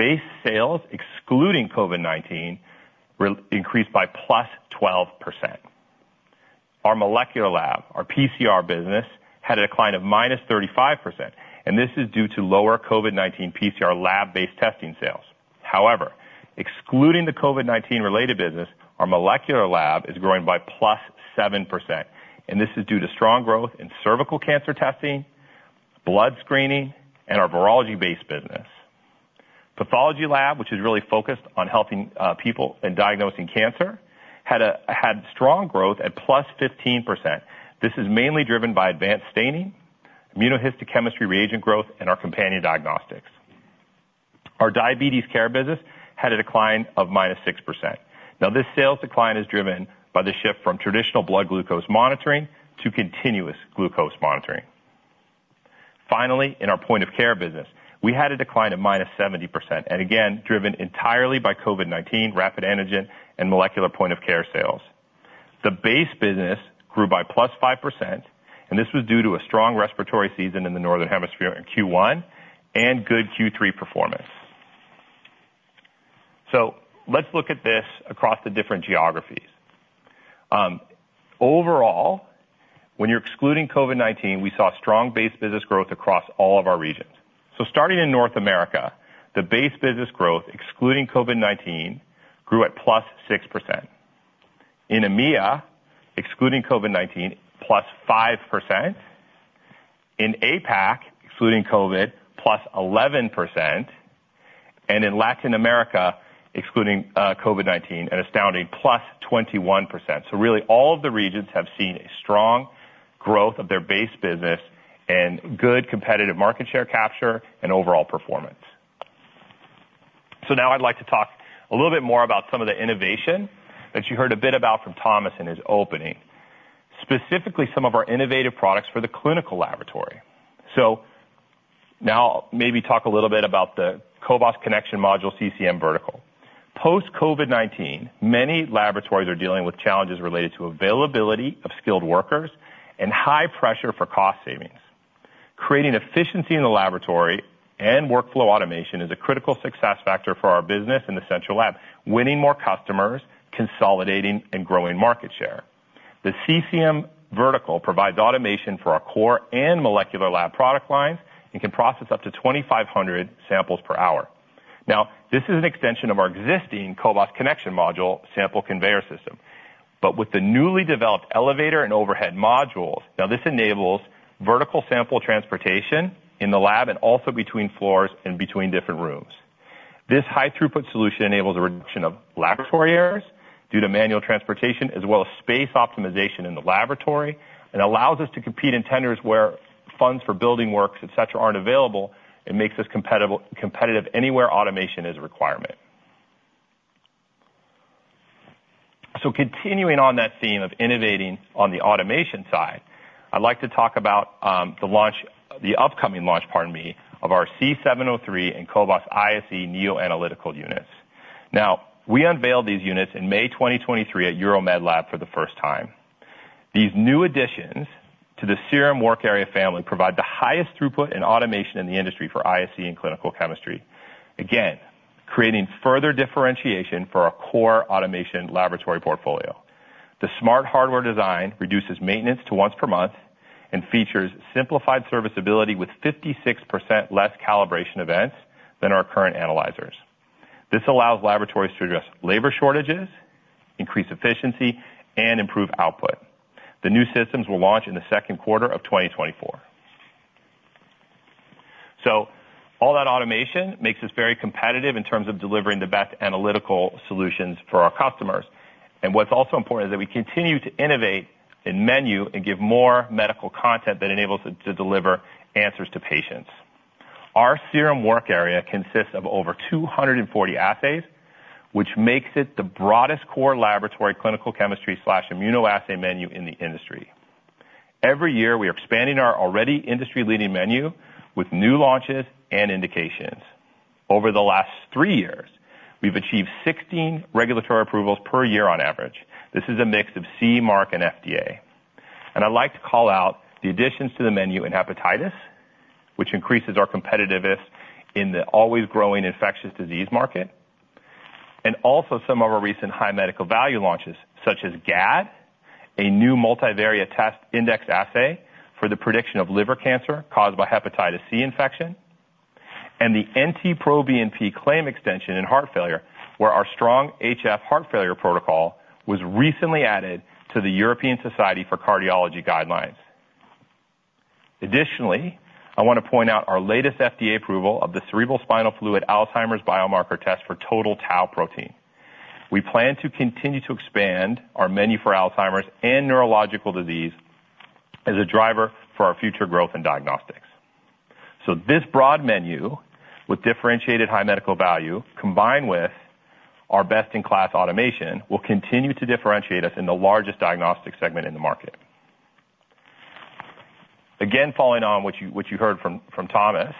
Speaker 4: Base sales, excluding COVID-19, increased by +12%. Our molecular lab, our PCR business, had a decline of -35%, and this is due to lower COVID-19 PCR lab-based testing sales. However, excluding the COVID-19-related business, our molecular lab is growing by +7%, and this is due to strong growth in cervical cancer testing, blood screening, and our virology-based business. Pathology lab, which is really focused on helping people in diagnosing cancer, had strong growth at +15%. This is mainly driven by advanced staining, immunohistochemistry reagent growth, and our companion diagnostics. Our diabetes care business had a decline of -6%. Now, this sales decline is driven by the shift from traditional blood glucose monitoring to continuous glucose monitoring. Finally, in our point of care business, we had a decline of -70%, and again, driven entirely by COVID-19, rapid antigen, and molecular point of care sales. The base business grew by +5%, and this was due to a strong respiratory season in the Northern Hemisphere in Q1 and good Q3 performance. So let's look at this across the different geographies. Overall, when you're excluding COVID-19, we saw strong base business growth across all of our regions. So starting in North America, the base business growth, excluding COVID-19, grew at +6%. In EMEA, excluding COVID-19, +5%. In APAC, excluding COVID, +11%. And in Latin America, excluding COVID-19, an astounding +21%. So really, all of the regions have seen a strong growth of their base business and good competitive market share capture and overall performance. So now I'd like to talk a little bit more about some of the innovation that you heard a bit about from Thomas in his opening. Specifically, some of our innovative products for the clinical laboratory. So now maybe talk a little bit about the Cobas Connection Module, CCM, Vertical. Post-COVID-19, many laboratories are dealing with challenges related to availability of skilled workers and high pressure for cost savings. Creating efficiency in the laboratory and workflow automation is a critical success factor for our business in the central lab, winning more customers, consolidating and growing market share. The CCM Vertical provides automation for our core and molecular lab product lines and can process up to 2,500 samples per hour. Now, this is an extension of our existing Cobas Connection Module sample conveyor system, but with the newly developed elevator and overhead modules, now this enables vertical sample transportation in the lab and also between floors and between different rooms. This high-throughput solution enables a reduction of laboratory errors due to manual transportation, as well as space optimization in the laboratory, and allows us to compete in tenders where funds for building works, et cetera, aren't available. It makes us competitive anywhere automation is a requirement. So continuing on that theme of innovating on the automation side, I'd like to talk about the launch, the upcoming launch, pardon me, of our C703 and Cobas ISE neo-analytical units. Now, we unveiled these units in May 2023 at EuroMedLab for the first time. These new additions to the serum work area family provide the highest throughput in automation in the industry for ISE and clinical chemistry. Again, creating further differentiation for our core automation laboratory portfolio. The smart hardware design reduces maintenance to once per month and features simplified serviceability with 56% less calibration events than our current analyzers. This allows laboratories to address labor shortages, increase efficiency, and improve output. The new systems will launch in the second quarter of 2024. So all that automation makes us very competitive in terms of delivering the best analytical solutions for our customers. And what's also important is that we continue to innovate in menu and give more medical content that enables us to deliver answers to patients. Our serum work area consists of over 240 assays, which makes it the broadest core laboratory clinical chemistry slash immunoassay menu in the industry. Every year, we are expanding our already industry-leading menu with new launches and indications. Over the last three years, we've achieved 16 regulatory approvals per year on average. This is a mix of CE Mark, and FDA. And I'd like to call out the additions to the menu in hepatitis, which increases our competitiveness in the always-growing infectious disease market, and also some of our recent high medical value launches, such as GAAD, a new multivariate test index assay for the prediction of liver cancer caused by hepatitis C infection, and the NT-proBNP claim extension in heart failure, where our strong HF heart failure protocol was recently added to the European Society for Cardiology guidelines. Additionally, I want to point out our latest FDA approval of the cerebral spinal fluid Alzheimer's biomarker test for total tau protein. We plan to continue to expand our menu for Alzheimer's and neurological disease as a driver for our future growth in diagnostics. So this broad menu, with differentiated high medical value, combined with our best-in-class automation, will continue to differentiate us in the largest diagnostic segment in the market. Again, following on what you heard from Thomas,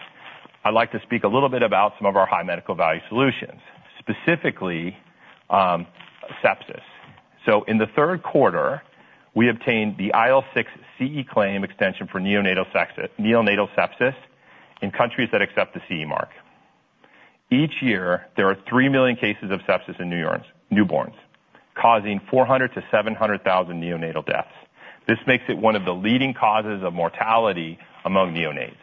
Speaker 4: I'd like to speak a little bit about some of our high medical value solutions, specifically sepsis. So in the third quarter, we obtained the IL-6 CE claim extension for neonatal sepsis in countries that accept the CE mark. Each year, there are three million cases of sepsis in newborns, causing 400,000-700,000 neonatal deaths. This makes it one of the leading causes of mortality among neonates.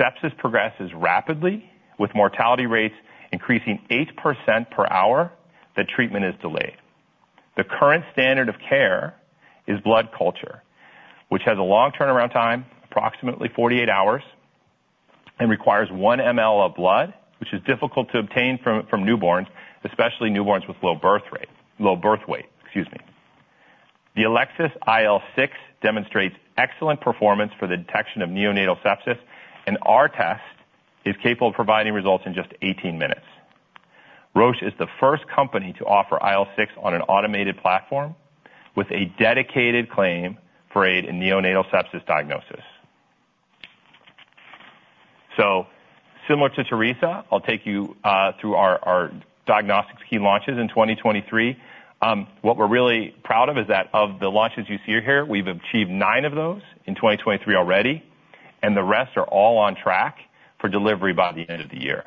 Speaker 4: Sepsis progresses rapidly, with mortality rates increasing 8% per hour, the treatment is delayed. The current standard of care is blood culture, which has a long turnaround time, approximately 48 hours, and requires 1 mL of blood, which is difficult to obtain from newborns, especially newborns with low birth rate, low birth weight, excuse me. The Elecsys IL-6 demonstrates excellent performance for the detection of neonatal sepsis, and our test is capable of providing results in just 18 minutes. Roche is the first company to offer IL-6 on an automated platform with a dedicated claim for aid in neonatal sepsis diagnosis. So similar to Teresa, I'll take you through our diagnostics key launches in 2023. What we're really proud of is that of the launches you see here, we've achieved nine of those in 2023 already, and the rest are all on track for delivery by the end of the year.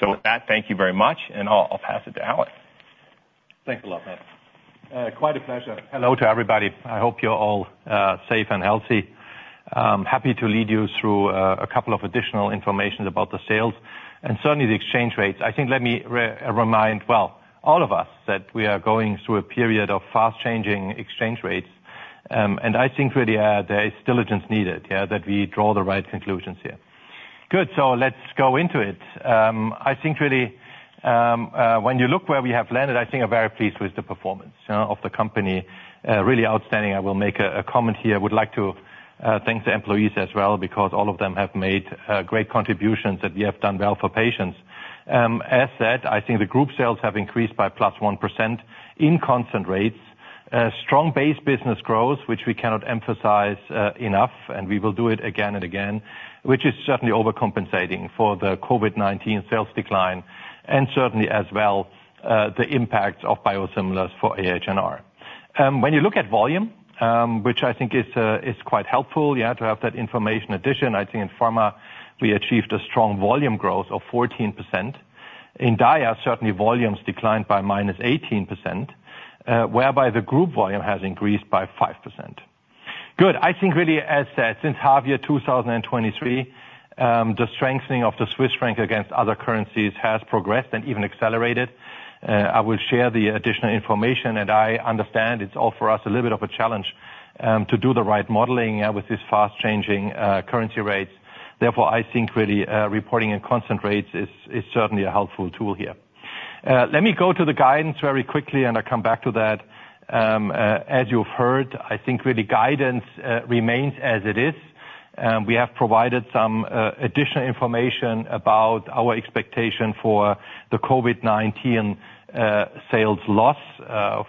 Speaker 4: With that, thank you very much, and I'll pass it to Alan.
Speaker 5: Thanks a lot, Matt. Quite a pleasure. Hello to everybody. I hope you're all safe and healthy. Happy to lead you through a couple of additional informations about the sales and certainly the exchange rates. I think let me remind, well, all of us, that we are going through a period of fast-changing exchange rates. And I think really, there is diligence needed, yeah, that we draw the right conclusions here. Good, so let's go into it. I think really, when you look where we have landed, I think I'm very pleased with the performance of the company. Really outstanding. I will make a comment here. I would like to thank the employees as well, because all of them have made great contributions, and we have done well for patients. As said, I think the group sales have increased by +1% in constant rates. Strong base business growth, which we cannot emphasize enough, and we will do it again and again, which is certainly overcompensating for the COVID-19 sales decline, and certainly as well the impact of biosimilars for AH&R. When you look at volume, which I think is quite helpful, you have to have that information. In addition, I think in pharma, we achieved a strong volume growth of 14%. In Dia, certainly volumes declined by -18%, whereby the group volume has increased by 5%. Good. I think really, as said, since half year 2023, the strengthening of the Swiss franc against other currencies has progressed and even accelerated. I will share the additional information, and I understand it's all for us, a little bit of a challenge, to do the right modeling, with these fast-changing, currency rates. Therefore, I think really, reporting in constant rates is, is certainly a helpful tool here. Let me go to the guidance very quickly, and I come back to that. As you've heard, I think really guidance, remains as it is. We have provided some, additional information about our expectation for the COVID-19, sales loss,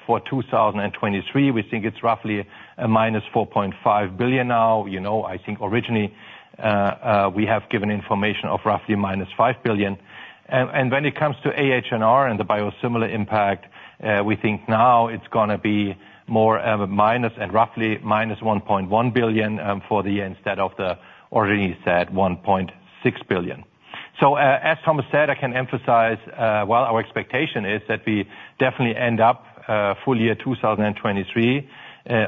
Speaker 5: for 2023. We think it's roughly a -4.5 billion now. You know, I think originally, we have given information of roughly -5 billion. And when it comes to AH&R and the biosimilar impact, we think now it's gonna be more of a minus and roughly -1.1 billion, for the year, instead of the already said 1.6 billion. So, as Thomas said, I can emphasize, while our expectation is that we definitely end up, full year 2023,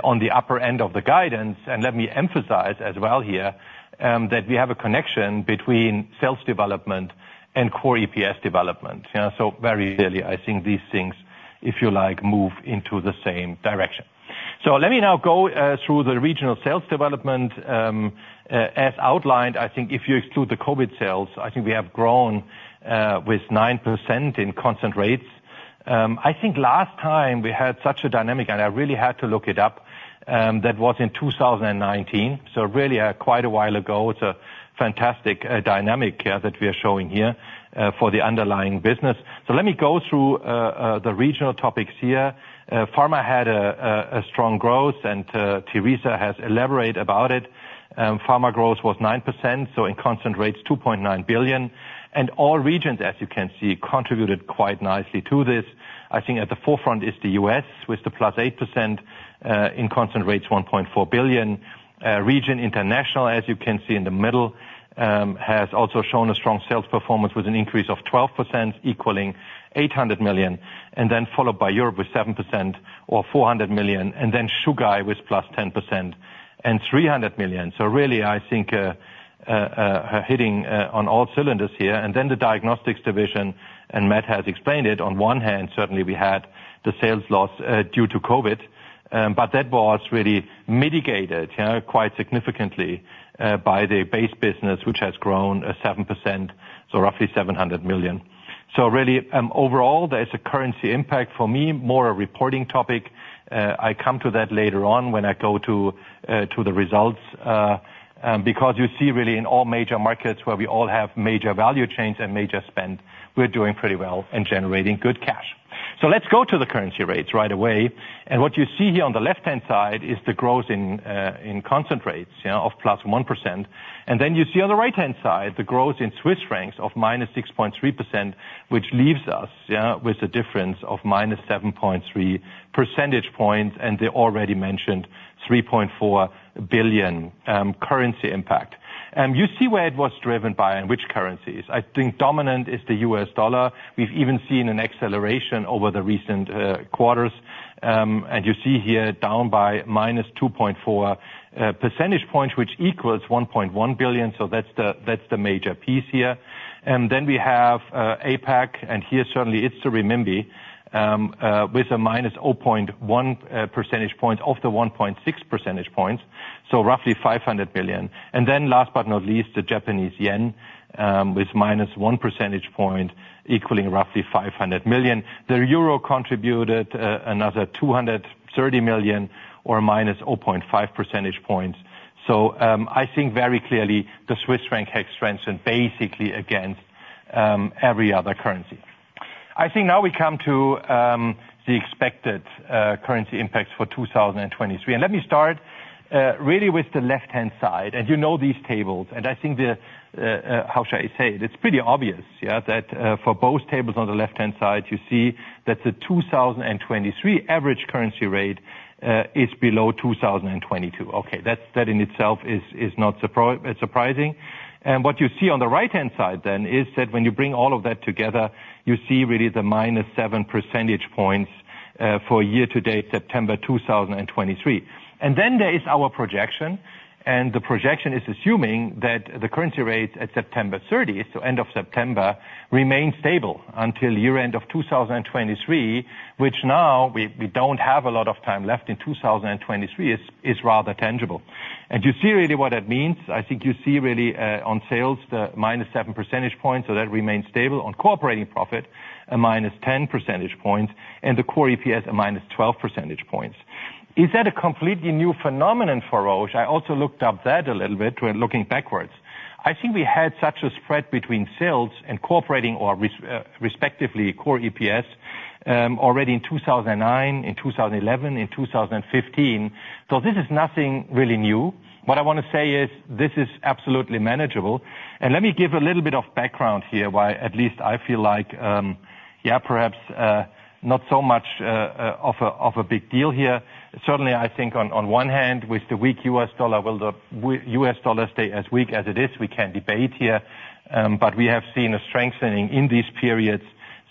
Speaker 5: on the upper end of the guidance. And let me emphasize as well here, that we have a connection between sales development and core EPS development. Yeah, so very clearly, I think these things, if you like, move into the same direction. So let me now go, through the regional sales development. As outlined, I think if you exclude the COVID sales, I think we have grown, with 9% in constant rates. I think last time we had such a dynamic, and I really had to look it up, that was in 2019, so really, quite a while ago. It's a fantastic dynamic that we are showing here for the underlying business. So let me go through the regional topics here. Pharma had a strong growth, and Teresa has elaborated about it. Pharma growth was 9%, so in constant rates, 2.9 billion. And all regions, as you can see, contributed quite nicely to this. I think at the forefront is the U.S., with the +8%, in constant rates, 1.4 billion. Region International, as you can see in the middle, has also shown a strong sales performance, with an increase of 12%, equaling 800 million, and then followed by Europe with 7%, or 400 million, and then Chugai with +10% and 300 million. So really, I think, hitting on all cylinders here. And then the Diagnostics Division, and Matt has explained it, on one hand, certainly, we had the sales loss due to COVID, but that was really mitigated, you know, quite significantly, by the base business, which has grown 7%, so roughly 700 million. So really, overall, there's a currency impact for me, more a reporting topic. I come to that later on when I go to the results. Because you see really in all major markets where we all have major value chains and major spend, we're doing pretty well and generating good cash. Let me go to the currency rates right away. What you see here on the left-hand side is the growth in constant rates, you know, of +1%. Then you see on the right-hand side, the growth in Swiss francs of -6.3%, which leaves us with a difference of -7.3 percentage points, and the already mentioned 3.4 billion currency impact. You see where it was driven by and which currencies. I think dominant is the U.S. dollar. We've even seen an acceleration over the recent quarters. And you see here, down by -2.4 percentage points, which equals 1.1 billion. So that's the major piece here. And then we have, APAC, and here, certainly it's the renminbi, with a -0.1 percentage point off the 1.6 percentage points, so roughly 500 billion. And then last but not least, the Japanese yen, with -1 percentage point, equaling roughly 500 million. The euro contributed, another 230 million or -0.5 percentage points. So, I think very clearly, the Swiss franc has strengthened basically against, every other currency. I think now we come to, the expected currency impacts for 2023. And let me start, really with the left-hand side. You know these tables, and I think the, how should I say it? It's pretty obvious, yeah, that for both tables on the left-hand side, you see that the 2023 average currency rate is below 2022. Okay, that in itself is not surprising. And what you see on the right-hand side then is that when you bring all of that together, you see really the -7 percentage points for year-to-date, September 2023. And then there is our projection.... And the projection is assuming that the currency rates at September 30th, so end of September, remain stable until year-end of 2023, which now we don't have a lot of time left in 2023, is rather tangible. And you see really what that means. I think you see really, on sales, the -7 percentage points, so that remains stable. On operating profit, a -10 percentage points, and the core EPS, a -12 percentage points. Is that a completely new phenomenon for Roche? I also looked up that a little bit when looking backwards. I think we had such a spread between sales and operating, or respectively, core EPS, already in 2009, in 2011, in 2015. So this is nothing really new. What I wanna say is, this is absolutely manageable. And let me give a little bit of background here, why at least I feel like, yeah, perhaps, not so much, of a, of a big deal here. Certainly, I think on one hand, with the weak U.S. dollar, will the U.S. dollar stay as weak as it is? We can debate here, but we have seen a strengthening in these periods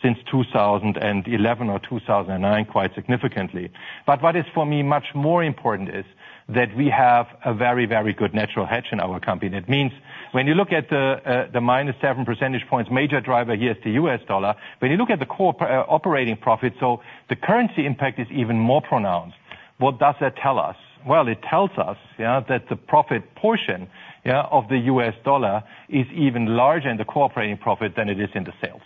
Speaker 5: since 2011 or 2009, quite significantly. But what is for me much more important is that we have a very, very good natural hedge in our company. And it means, when you look at the -7 percentage points, major driver here is the U.S. dollar. When you look at the core operating profit, so the currency impact is even more pronounced. What does that tell us? Well, it tells us, yeah, that the profit portion, yeah, of the U.S. dollar is even larger in the core operating profit than it is in the sales,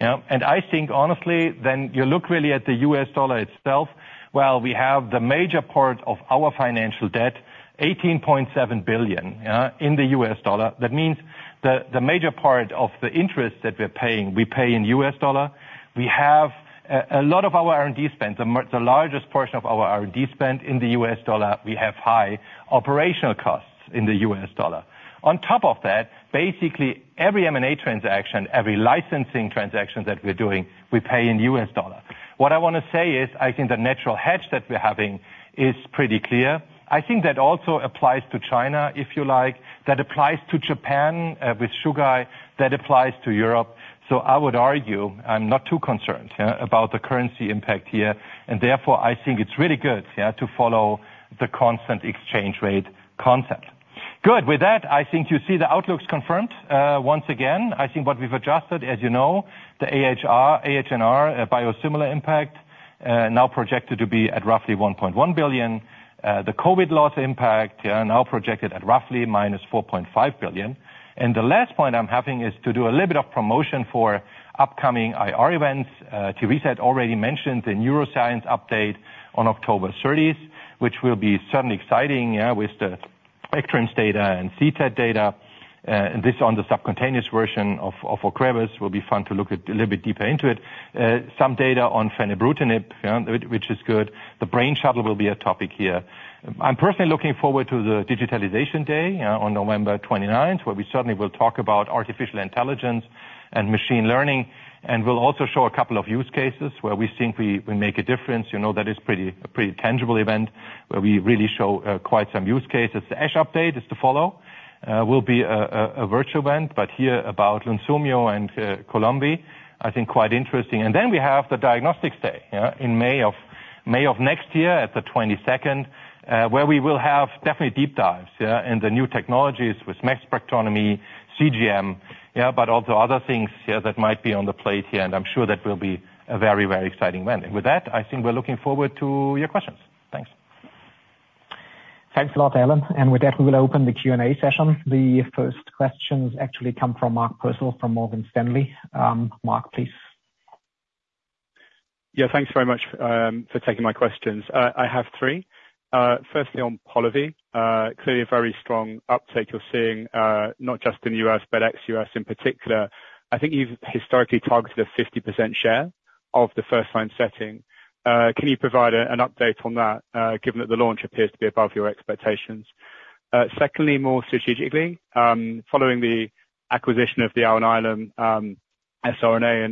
Speaker 5: yeah. And I think, honestly, when you look really at the U.S. dollar itself, well, we have the major part of our financial debt, $18.7 billion in the U.S. dollar. That means the major part of the interest that we're paying, we pay in U.S. dollar. We have a lot of our R&D spend, the largest portion of our R&D spend in the U.S. dollar, we have high operational costs in the U.S. dollar. On top of that, basically, every M&A transaction, every licensing transaction that we're doing, we pay in U.S. dollar. What I wanna say is, I think the natural hedge that we're having is pretty clear. I think that also applies to China, if you like. That applies to Japan with Chugai, that applies to Europe. So I would argue, I'm not too concerned, yeah, about the currency impact here, and therefore, I think it's really good, yeah, to follow the constant exchange rate concept. Good. With that, I think you see the outlook's confirmed. Once again, I think what we've adjusted, as you know, the AHR... AHNR, biosimilar impact, now projected to be at roughly 1.1 billion. The COVID loss impact, now projected at roughly -4.5 billion. And the last point I'm having is to do a little bit of promotion for upcoming IR events. Teresa had already mentioned the neuroscience update on October thirtieth, which will be certainly exciting, yeah, with the ECTRIMS data and CTAD data. And this on the subcutaneous version of Ocrevus will be fun to look at, a little bit deeper into it. Some data on fenebrutinib, yeah, which is good. The brain shuttle will be a topic here. I'm personally looking forward to the digitalization day on November 29th, where we certainly will talk about artificial intelligence and machine learning, and we'll also show a couple of use cases where we think we make a difference. You know, that is pretty tangible event, where we really show quite some use cases. The ASH update is to follow. Will be a virtual event, but here about Lunsumio and Columvi, I think, quite interesting. Then we have the diagnostics day, yeah, in May of next year, on the 22nd, where we will have definitely deep dives, yeah, in the new technologies with mass spectrometry, CGM, yeah, but also other things, yeah, that might be on the plate here, and I'm sure that will be a very, very exciting event. And with that, I think we're looking forward to your questions. Thanks.
Speaker 6: Thanks a lot, Alan. And with that, we will open the Q&A session. The first questions actually come from Mark Purcell, from Morgan Stanley. Mark, please.
Speaker 7: Yeah, thanks very much for taking my questions. I have three. Firstly, on Polivy, clearly a very strong uptake you're seeing, not just in the U.S., but ex-U.S. in particular. I think you've historically targeted a 50% share of the first-line setting. Can you provide an update on that, given that the launch appears to be above your expectations? Secondly, more strategically, following the acquisition of the, [inaudible] siRNA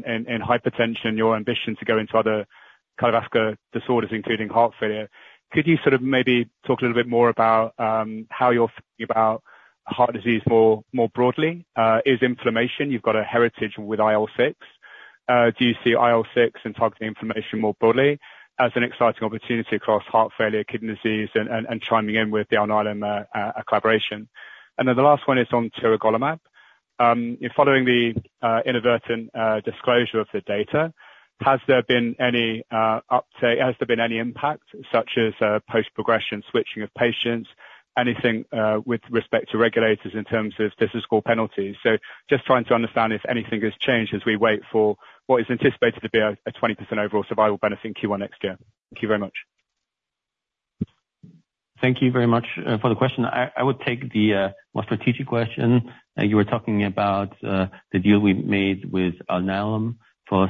Speaker 7: and hypertension, your ambition to go into other cardiovascular disorders, including heart failure, could you sort of maybe talk a little bit more about how you're feeling about heart disease more broadly? Is inflammation... You've got a heritage with IL-6. Do you see IL-6 and targeting inflammation more broadly as an exciting opportunity across heart failure, kidney disease, and chiming in with the Ionis collaboration? And then the last one is on tiragolumab. In following the inadvertent disclosure of the data, has there been any uptake-has there been any impact, such as post-progression switching of patients? Anything with respect to regulators in terms of statistical penalties? So just trying to understand if anything has changed as we wait for what is anticipated to be a 20% overall survival benefit in Q1 next year. Thank you very much.
Speaker 5: Thank you very much for the question. I would take the more strategic question. You were talking about the deal we made with Alnylam for zilebesiran. So,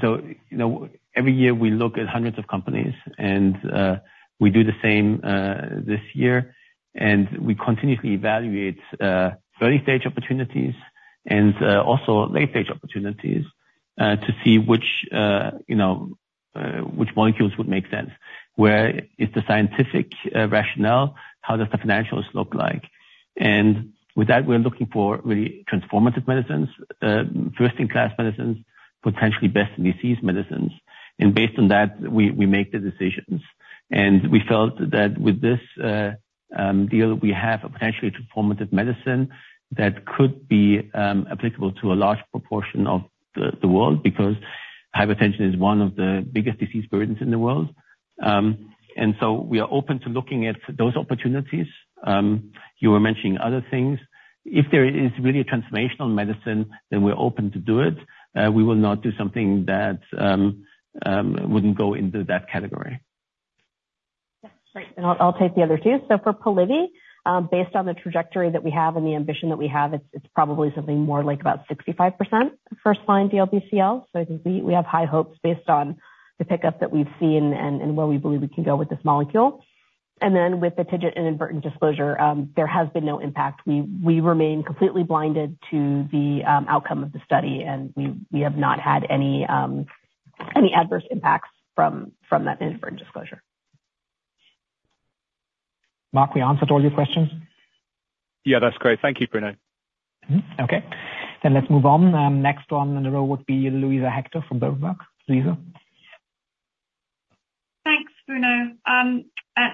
Speaker 5: you know, every year we look at hundreds of companies, and we do the same this year. And we continuously evaluate early-stage opportunities and also late-stage opportunities to see which you know which molecules would make sense. Where is the scientific rationale? How does the financials look like?...
Speaker 2: And with that, we're looking for really transformative medicines, first-in-class medicines, potentially best in disease medicines. And based on that, we make the decisions. And we felt that with this deal, we have a potentially transformative medicine that could be applicable to a large proportion of the world, because hypertension is one of the biggest disease burdens in the world. And so we are open to looking at those opportunities. You were mentioning other things. If there is really a transformational medicine, then we're open to do it. We will not do something that wouldn't go into that category.
Speaker 3: Yeah. Great, and I'll, I'll take the other two. So for Polivy, based on the trajectory that we have and the ambition that we have, it's, it's probably something more like about 65% first-line DLBCL. So I think we, we have high hopes based on the pickup that we've seen and, and where we believe we can go with this molecule. And then with the TIGIT and inadvertent disclosure, there has been no impact. We, we remain completely blinded to the, outcome of the study, and we, we have not had any, any adverse impacts from, from that inadvertent disclosure.
Speaker 6: Mark, we answered all your questions?
Speaker 7: Yeah, that's great. Thank you, Bruno.
Speaker 6: Mm-hmm. Okay. Let's move on. Next on the row would be Luisa Hector from Berenberg. Luisa?
Speaker 8: Thanks, Bruno.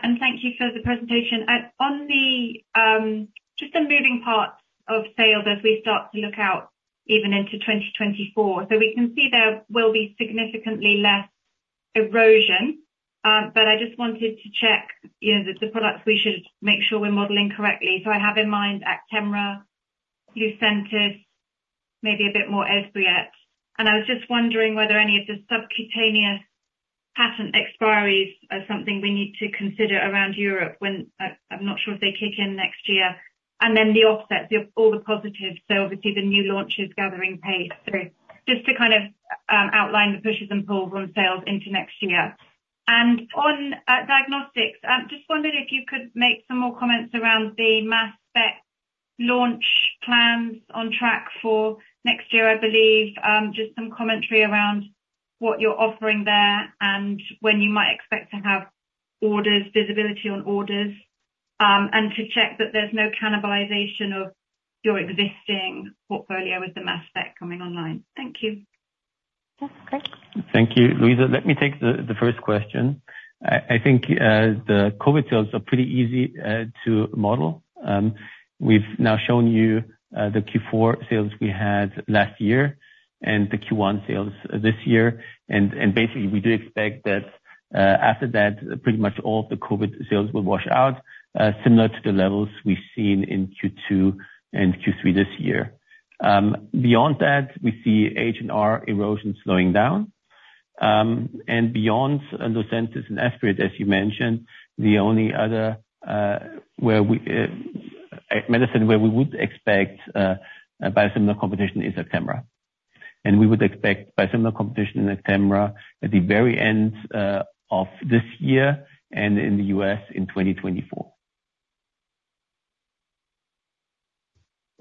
Speaker 8: And thank you for the presentation. On just the moving parts of sales as we start to look out even into 2024, so we can see there will be significantly less erosion, but I just wanted to check, you know, that the products we should make sure we're modeling correctly. So I have in mind Actemra, Lucentis, maybe a bit more Esbriet. And I was just wondering whether any of the subcutaneous patent expiries are something we need to consider around Europe, when I'm not sure if they kick in next year. And then the offsets, all the positives, so obviously the new launches gathering pace. So just to kind of outline the pushes and pulls on sales into next year. And on diagnostics, just wondering if you could make some more comments around the mass spec launch plans on track for next year, I believe. Just some commentary around what you're offering there, and when you might expect to have orders, visibility on orders. And to check that there's no cannibalization of your existing portfolio with the mass spec coming online. Thank you.
Speaker 3: Yes. Great.
Speaker 2: Thank you, Luisa. Let me take the first question. I think the COVID sales are pretty easy to model. We've now shown you the Q4 sales we had last year and the Q1 sales this year. And basically, we do expect that after that, pretty much all the COVID sales will wash out similar to the levels we've seen in Q2 and Q3 this year. Beyond that, we see HNR erosion slowing down. And beyond Lucentis and Esbriet, as you mentioned, the only other medicine where we would expect a biosimilar competition is Actemra. And we would expect biosimilar competition in Actemra at the very end of this year, and in the U.S., in 2024.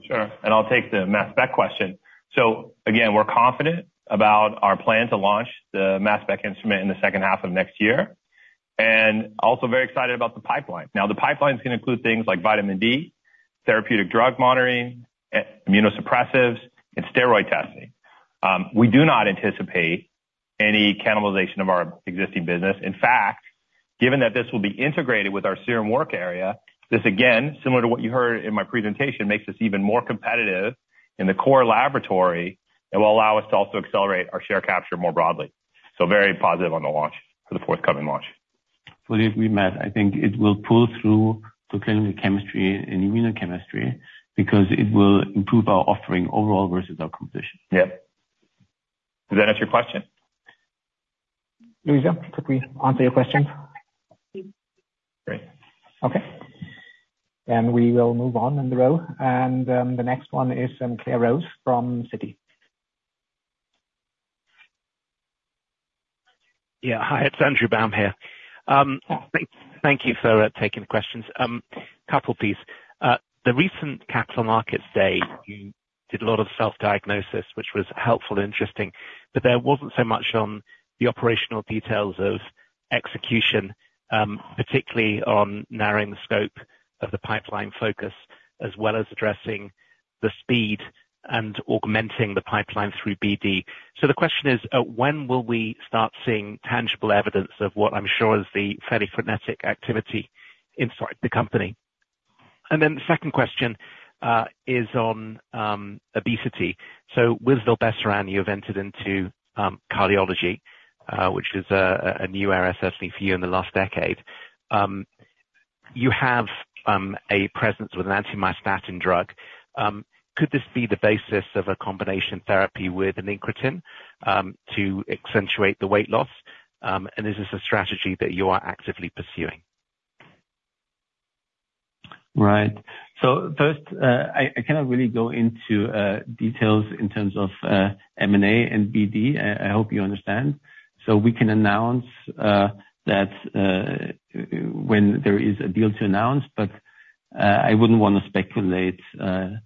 Speaker 4: Sure. And I'll take the mass spec question. So again, we're confident about our plan to launch the mass spec instrument in the second half of next year, and also very excited about the pipeline. Now, the pipeline's gonna include things like vitamin D, therapeutic drug monitoring, immunosuppressives, and steroid testing. We do not anticipate any cannibalization of our existing business. In fact, given that this will be integrated with our serum work area, this again, similar to what you heard in my presentation, makes us even more competitive in the core laboratory, and will allow us to also accelerate our share capture more broadly. So very positive on the launch, for the forthcoming launch.
Speaker 2: Well, if we may, I think it will pull through to clinical chemistry and immunochemistry, because it will improve our offering overall versus our competition.
Speaker 4: Yeah. Does that answer your question?
Speaker 6: Luisa, did we answer your question?
Speaker 8: Yes.
Speaker 4: Great.
Speaker 6: Okay. Then we will move on in the row, and the next one is Claire Rose from Citi.
Speaker 9: Yeah. Hi, it's Andrew Baum here. Thank you for taking the questions. Couple piece. The recent capital markets day, you did a lot of self-diagnosis, which was helpful and interesting, but there wasn't so much on the operational details of execution, particularly on narrowing the scope of the pipeline focus, as well as addressing the speed and augmenting the pipeline through BD. So the question is, when will we start seeing tangible evidence of what I'm sure is the fairly frenetic activity inside the company? And then the second question is on obesity. So with Zilebesiran, you have entered into cardiology, which is a new area, certainly for you in the last decade. You have a presence with an anti-myostatin drug. Could this be the basis of a combination therapy with an incretin to accentuate the weight loss? And is this a strategy that you are actively pursuing?
Speaker 2: Right. So first, I cannot really go into details in terms of M&A and BD. I hope you understand. So we can announce that when there is a deal to announce, but I wouldn't wanna speculate in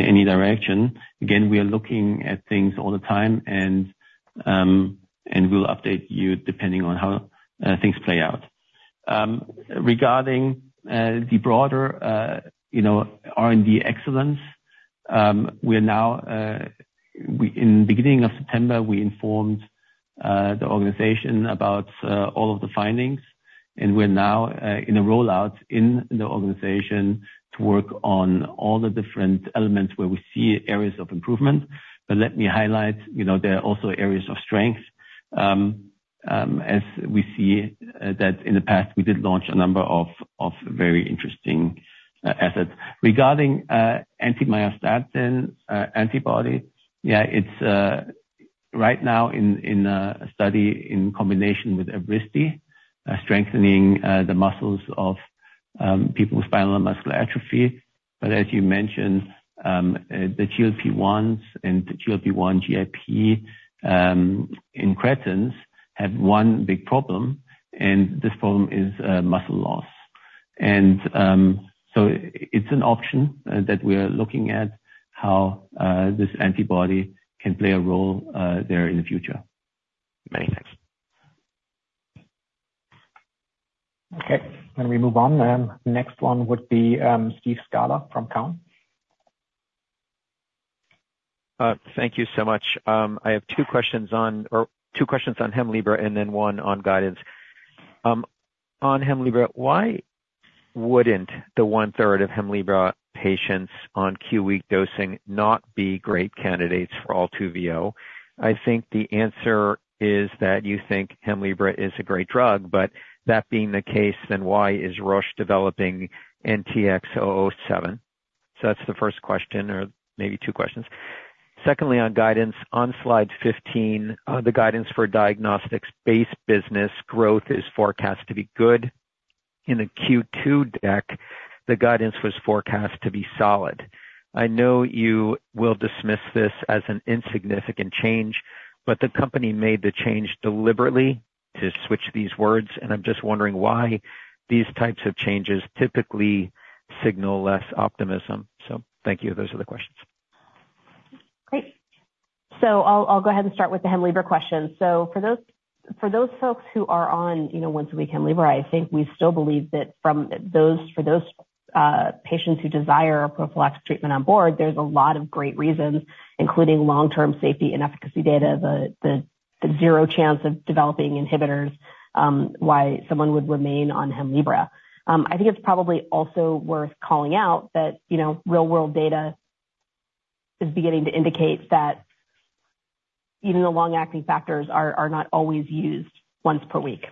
Speaker 2: any direction. Again, we are looking at things all the time, and we'll update you depending on how things play out. Regarding the broader, you know, R&D excellence, we are now in the beginning of September, we informed the organization about all of the findings, and we're now in a rollout in the organization to work on all the different elements where we see areas of improvement. But let me highlight, you know, there are also areas of strength, as we see, that in the past, we did launch a number of, of very interesting, assets. Regarding, anti-myostatin, antibody, yeah, it's right now in, in, a study in combination with Evrysdi, strengthening, the muscles of, people with spinal muscular atrophy. But as you mentioned, the GLP-1s and the GLP-1 GIP, incretins, have one big problem, and this problem is, muscle loss. And, so it's an option, that we are looking at how, this antibody can play a role, there in the future.
Speaker 9: Many thanks.
Speaker 6: Okay, then we move on. Next one would be, Steve Scala from Cowen.
Speaker 10: Thank you so much. I have two questions on, or two questions on HEMLIBRA, and then one on guidance. On HEMLIBRA, why wouldn't the one third of HEMLIBRA patients on Q-week dosing not be great candidates for Altuviiio? I think the answer is that you think HEMLIBRA is a great drug, but that being the case, then why is Roche developing NXT007? So that's the first question, or maybe two questions. Secondly, on guidance, on slide 15, the guidance for diagnostics-based business growth is forecast to be good. In the Q2 deck, the guidance was forecast to be solid. I know you will dismiss this as an insignificant change, but the company made the change deliberately to switch these words, and I'm just wondering why these types of changes typically signal less optimism. So thank you. Those are the questions.
Speaker 3: Great. So I'll go ahead and start with the HEMLIBRA question. So for those folks who are on, you know, once a week HEMLIBRA, I think we still believe that from those patients who desire a prophylactic treatment on board, there's a lot of great reasons, including long-term safety and efficacy data, the zero chance of developing inhibitors, why someone would remain on HEMLIBRA. I think it's probably also worth calling out that, you know, real-world data is beginning to indicate that even the long-acting factors are not always used once per week.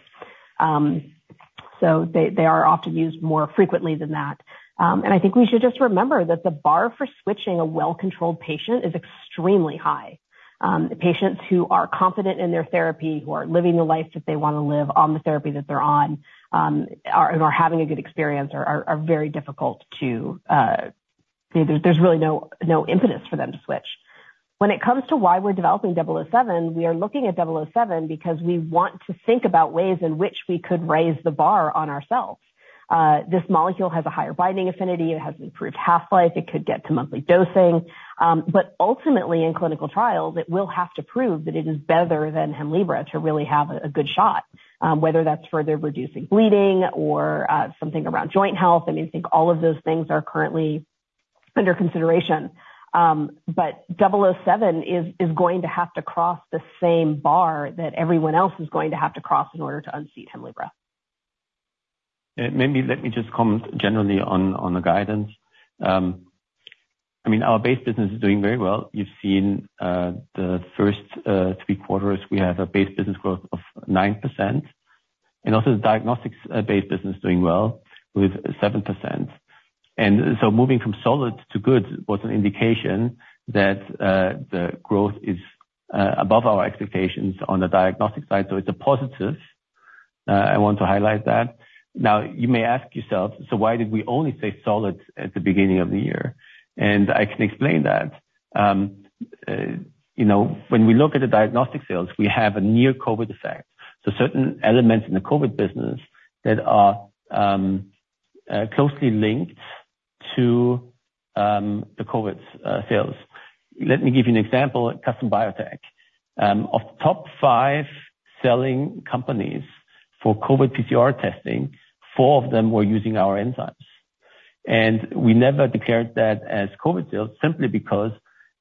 Speaker 3: So they are often used more frequently than that. And I think we should just remember that the bar for switching a well-controlled patient is extremely high. The patients who are confident in their therapy, who are living the life that they wanna live on the therapy that they're on, and are having a good experience, are very difficult to... There's really no impetus for them to switch. When it comes to why we're developing 007, we are looking at 007 because we want to think about ways in which we could raise the bar on ourselves. This molecule has a higher binding affinity, it has improved half-life, it could get to monthly dosing. But ultimately, in clinical trials, it will have to prove that it is better than HEMLIBRA to really have a good shot, whether that's further reducing bleeding or something around joint health. I think all of those things are currently under consideration. But NXT007 is going to have to cross the same bar that everyone else is going to have to cross in order to unseat HEMLIBRA.
Speaker 2: Maybe let me just comment generally on the guidance. I mean, our base business is doing very well. You've seen the first three quarters. We have a base business growth of 9%, and also the diagnostics base business doing well with 7%. And so moving from solid to good was an indication that the growth is above our expectations on the diagnostic side, so it's a positive. I want to highlight that. Now, you may ask yourselves, "So why did we only say solid at the beginning of the year?" And I can explain that. You know, when we look at the diagnostic sales, we have a non-COVID effect, so certain elements in the COVID business that are closely linked to the COVID sales. Let me give you an example, Custom Biotech. Of top five selling companies for COVID PCR testing, four of them were using our enzymes, and we never declared that as COVID sales simply because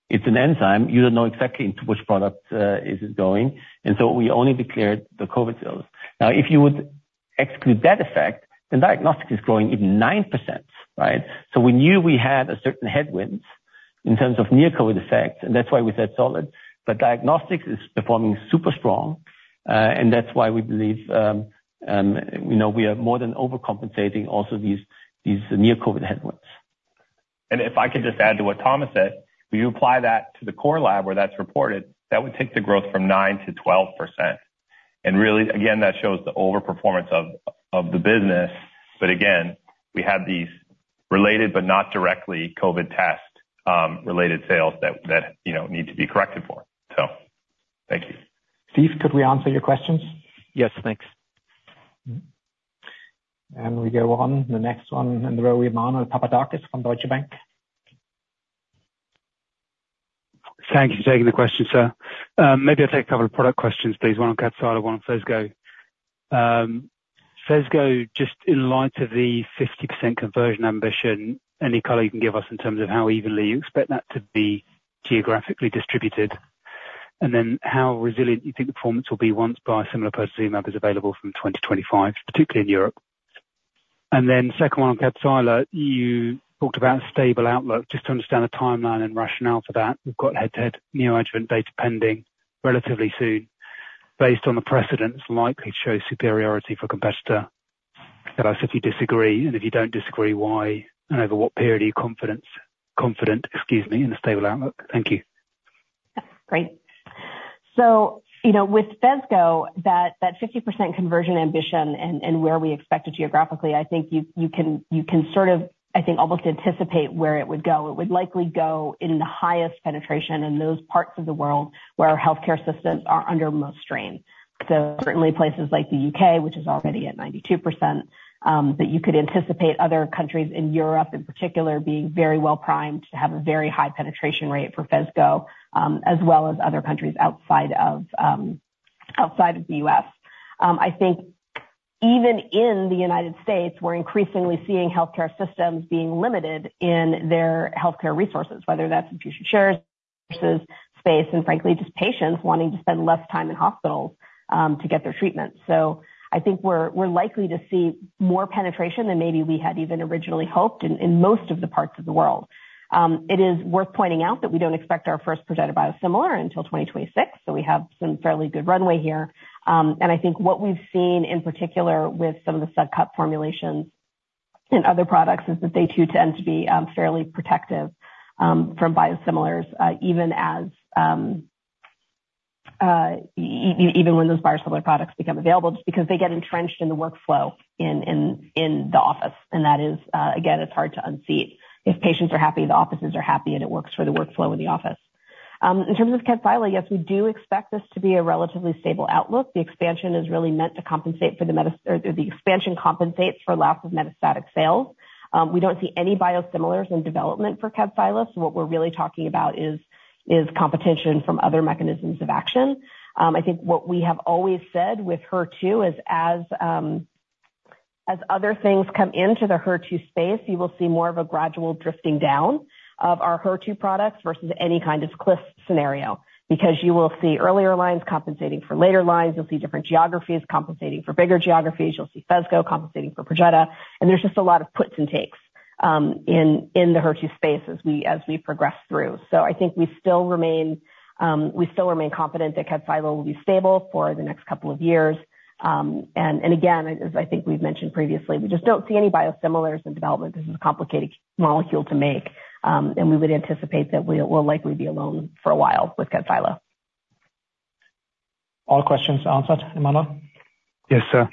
Speaker 2: it's an enzyme. You don't know exactly into which product is it going, and so we only declared the COVID sales. Now, if you would exclude that effect, then diagnostics is growing even 9%, right? So we knew we had a certain headwinds in terms of near COVID effect, and that's why we said solid. But diagnostics is performing super strong, and that's why we believe, you know, we are more than overcompensating also these, these near COVID headwinds.
Speaker 4: If I could just add to what Thomas said, we apply that to the core lab, where that's reported, that would take the growth from 9%-12%. Really, again, that shows the overperformance of the business. But again, we have these related, but not directly COVID test related sales that you know need to be corrected for. So thank you.
Speaker 6: Steve, could we answer your questions?
Speaker 10: Yes, thanks....
Speaker 6: And we go on, the next one, and then we have Emmanuel Papadakis from Deutsche Bank.
Speaker 11: Thank you for taking the question, sir. Maybe I'll take a couple of product questions, please. One on Kadcyla, one on Phesgo. Phesgo, just in light of the 50% conversion ambition, any color you can give us in terms of how evenly you expect that to be geographically distributed? And then how resilient you think the performance will be once biosimilar per se map is available from 2025, particularly in Europe. And then second one, on Kadcyla, you talked about stable outlook. Just to understand the timeline and rationale for that, we've got head-to-head neoadjuvant data pending relatively soon. Based on the precedents, likely show superiority for competitor. So if you disagree, and if you don't disagree, why and over what period are you confident, excuse me, in a stable outlook? Thank you.
Speaker 3: Great. So, you know, with Phesgo, that fifty percent conversion ambition and where we expect it geographically, I think you can sort of, I think, almost anticipate where it would go. It would likely go in the highest penetration in those parts of the world where our healthcare systems are under most strain. So certainly places like the U.K., which is already at 92%, but you could anticipate other countries in Europe in particular, being very well primed to have a very high penetration rate for Phesgo, as well as other countries outside of outside of the U.S. I think even in the United States, we're increasingly seeing healthcare systems being limited in their healthcare resources, whether that's infusion chairs versus space, and frankly, just patients wanting to spend less time in hospitals to get their treatment. So I think we're likely to see more penetration than maybe we had even originally hoped in most of the parts of the world. It is worth pointing out that we don't expect our first Perjeta biosimilar until 2026, so we have some fairly good runway here. And I think what we've seen in particular with some of the subcut formulations in other products is that they too tend to be fairly protective from biosimilars, even when those biosimilar products become available, just because they get entrenched in the workflow in the office. And that is again, it's hard to unseat. If patients are happy, the offices are happy, and it works for the workflow in the office. In terms of Kevzara, yes, we do expect this to be a relatively stable outlook. The expansion is really meant to compensate for the metastatic or the expansion compensates for lack of metastatic sales. We don't see any biosimilars in development for Kevzara. So what we're really talking about is competition from other mechanisms of action. I think what we have always said with HER2 is as other things come into the HER2 space, you will see more of a gradual drifting down of our HER2 products versus any kind of cliff scenario. Because you will see earlier lines compensating for later lines, you'll see different geographies compensating for bigger geographies. You'll see Phesgo compensating for Perjeta, and there's just a lot of puts and takes in the HER2 space as we progress through. So I think we still remain confident that Kevzara will be stable for the next couple of years. And again, as I think we've mentioned previously, we just don't see any biosimilars in development. This is a complicated molecule to make, and we would anticipate that we will likely be alone for a while with Kevzaira.
Speaker 6: All questions answered, Emmanuel?
Speaker 11: Yes, sir.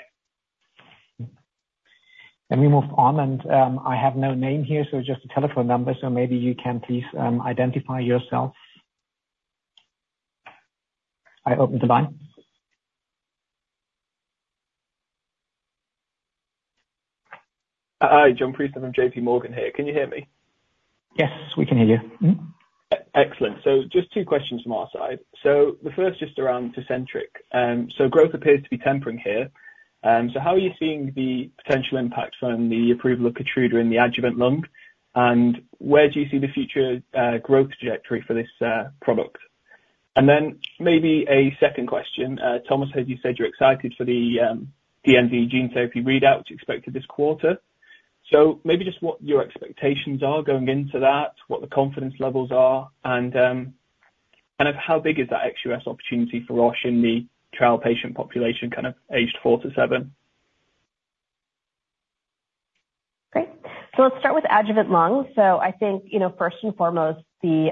Speaker 6: Let me move on, and, I have no name here, so just a telephone number, so maybe you can please, identify yourself. I open the line.
Speaker 12: Hi, James Quigley from J.P. Morgan here. Can you hear me?
Speaker 6: Yes, we can hear you. Mm-hmm.
Speaker 12: Excellent. Just two questions from our side. The first, just around Tecentriq, so growth appears to be tempering here. So how are you seeing the potential impact from the approval of Keytruda in the adjuvant lung? And where do you see the future growth trajectory for this product? And then maybe a second question. Thomas, heard you said you're excited for the DMD gene therapy readout, which you expected this quarter. So maybe just what your expectations are going into that, what the confidence levels are, and and of how big is that ex-U.S. opportunity for Roche in the trial patient population, kind of aged four to seven?
Speaker 3: Great. So let's start with adjuvant lung. So I think, you know, first and foremost, the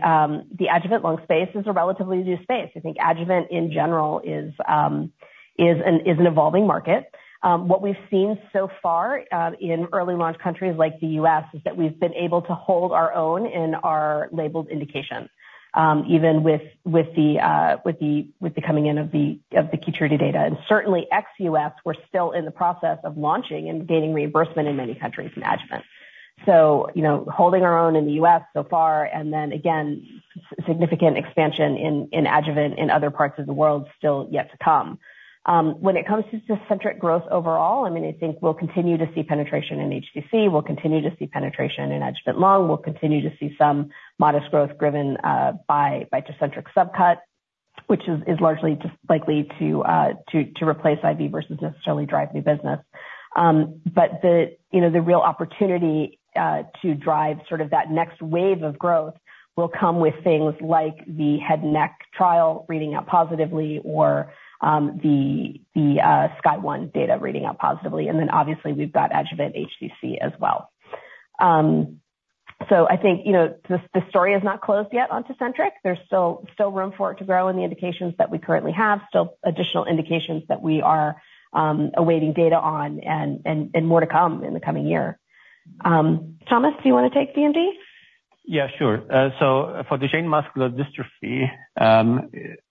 Speaker 3: adjuvant lung space is a relatively new space. I think adjuvant in general is an evolving market. What we've seen so far in early launch countries like the U.S., is that we've been able to hold our own in our labeled indications, even with the coming in of the Keytruda data. And certainly ex U.S., we're still in the process of launching and gaining reimbursement in many countries in adjuvant. So, you know, holding our own in the U.S. so far, and then again, significant expansion in adjuvant in other parts of the world, still yet to come. When it comes to Tecentriq growth overall, I mean, I think we'll continue to see penetration in HCC. We'll continue to see penetration in adjuvant lung. We'll continue to see some modest growth driven by Tecentriq subcut, which is largely just likely to replace IV versus necessarily drive new business. But the, you know, the real opportunity to drive sort of that next wave of growth will come with things like the head and neck trial reading out positively or the Sky One data reading out positively. And then obviously we've got adjuvant HCC as well. So I think, you know, the story is not closed yet on Tecentriq. There's still room for it to grow in the indications that we currently have, still additional indications that we are awaiting data on and more to come in the coming year. Thomas, do you want to take DND?...
Speaker 2: Yeah, sure. So for the Duchenne muscular dystrophy,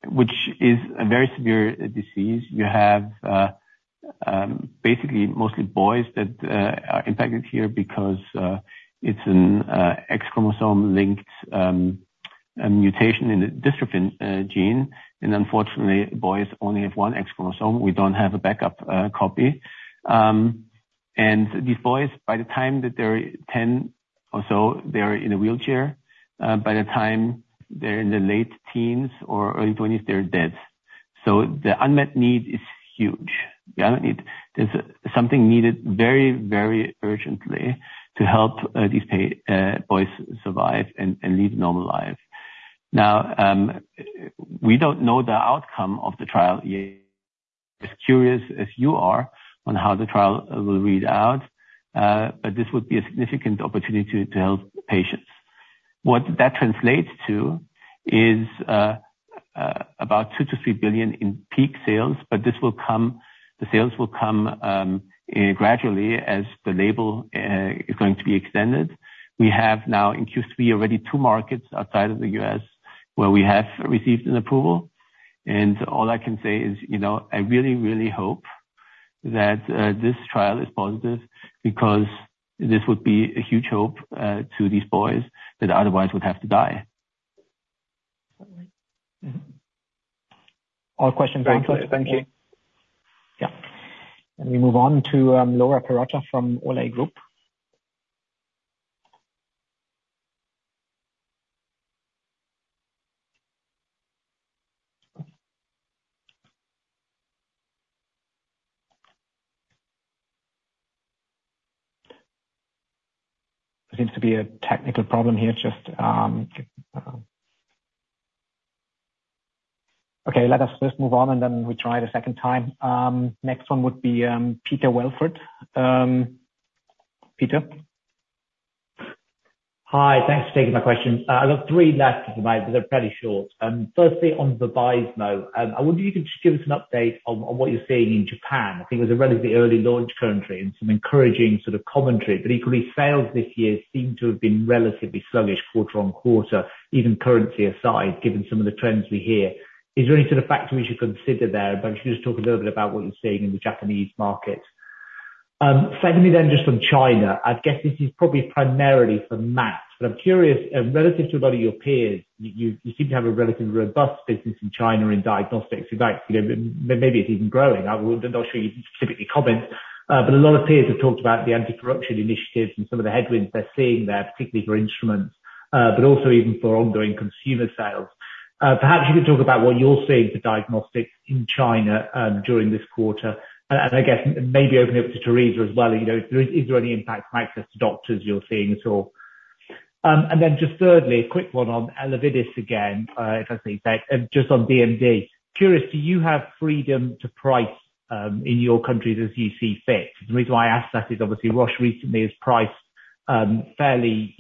Speaker 2: which is a very severe disease, you have basically mostly boys that are impacted here because it's an X chromosome-linked a mutation in the dystrophin gene. And unfortunately, boys only have one X chromosome. We don't have a backup copy. And these boys, by the time that they're 10 or so, they're in a wheelchair. By the time they're in their late teens or early twenties, they're dead. So the unmet need is huge. The unmet need, there's something needed very, very urgently to help these boys survive and lead normal lives. Now, we don't know the outcome of the trial yet. As curious as you are on how the trial will read out, but this would be a significant opportunity to help patients. What that translates to is, about 2 billion-3 billion in peak sales, but this will come, the sales will come, gradually as the label is going to be extended. We have now in Q3, already two markets outside of the U.S., where we have received an approval. And all I can say is, you know, I really, really hope that, this trial is positive because this would be a huge hope, to these boys that otherwise would have to die.
Speaker 6: All questions very much.
Speaker 12: Thank you.
Speaker 6: Yeah. Let me move on to Laura Perrotta from Olay Group. There seems to be a technical problem here. Just. Okay, let us just move on, and then we try the second time. Next one would be Peter Wellford. Peter?
Speaker 13: Hi, thanks for taking my question. I've got three left, but they're pretty short. Firstly, on the Vabysmo, I wonder if you could just give us an update on what you're seeing in Japan. I think it was a relatively early launch country and some encouraging sort of commentary, but equally, sales this year seem to have been relatively sluggish quarter on quarter, even currency aside, given some of the trends we hear. Is there any sort of factor we should consider there? But if you just talk a little bit about what you're seeing in the Japanese market. Secondly, then just from China, I guess this is probably primarily for Matt, but I'm curious, relative to a lot of your peers, you, you seem to have a relatively robust business in China, in diagnostics. In fact, you know, maybe it's even growing. I'm not sure you can specifically comment, but a lot of peers have talked about the anti-corruption initiatives and some of the headwinds they're seeing there, particularly for instruments, but also even for ongoing consumer sales. Perhaps you could talk about what you're seeing for diagnostics in China, during this quarter. And I guess maybe open it up to Teresa as well, you know, is there any impact on access to doctors you're seeing at all? And then just thirdly, a quick one on Elevidys again, if I say, just on DMD. Curious, do you have freedom to price, in your countries as you see fit? The reason why I ask that is obviously Roche recently has priced, fairly,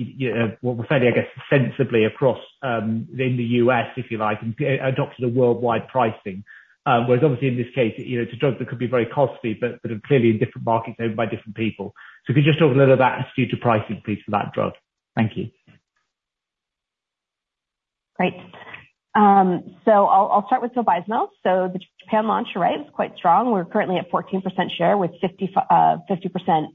Speaker 13: well, fairly, I guess, sensibly across, in the U.S., if you like, and adopted a worldwide pricing. Whereas obviously in this case, you know, it's a drug that could be very costly, but clearly in different markets owned by different people. So if you could just talk a little about future pricing please, for that drug. Thank you.
Speaker 3: Great. So I'll start with Vabysmo. So the Japan launch, you're right, is quite strong. We're currently at 14% share, with 50%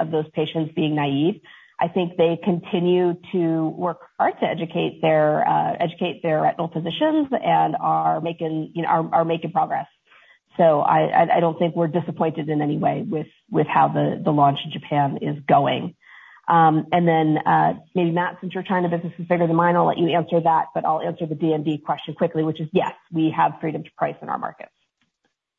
Speaker 3: of those patients being naive. I think they continue to work hard to educate their retinal physicians and are making, you know, progress. So I don't think we're disappointed in any way with how the launch in Japan is going. And then, maybe, Matt, since your China business is bigger than mine, I'll let you answer that. But I'll answer the DMD question quickly, which is, yes, we have freedom to price in our markets.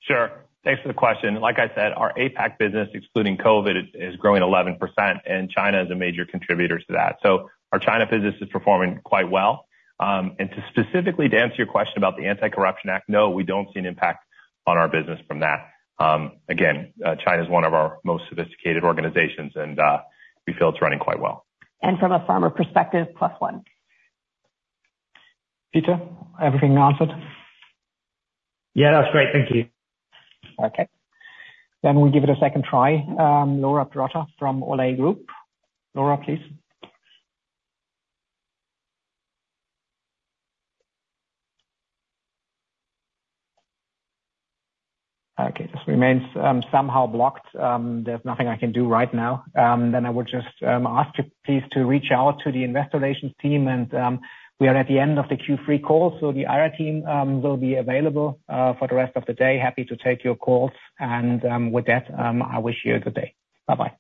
Speaker 2: Sure. Thanks for the question. Like I said, our APAC business, excluding COVID, is growing 11%, and China is a major contributor to that. So our China business is performing quite well. And to specifically answer your question about the Anti-Corruption Act, no, we don't see an impact on our business from that. Again, China is one of our most sophisticated organizations, and we feel it's running quite well.
Speaker 3: From a pharma perspective, plus one.
Speaker 6: Peter, everything answered?
Speaker 13: Yeah, that's great. Thank you.
Speaker 6: Okay, then we'll give it a second try. Laura Perrotta from Olay Group. Laura, please. Okay, this remains somehow blocked. There's nothing I can do right now. Then I will just ask you please to reach out to the investor relations team and we are at the end of the Q3 call, so the IR team will be available for the rest of the day. Happy to take your calls and with that, I wish you a good day. Bye-bye.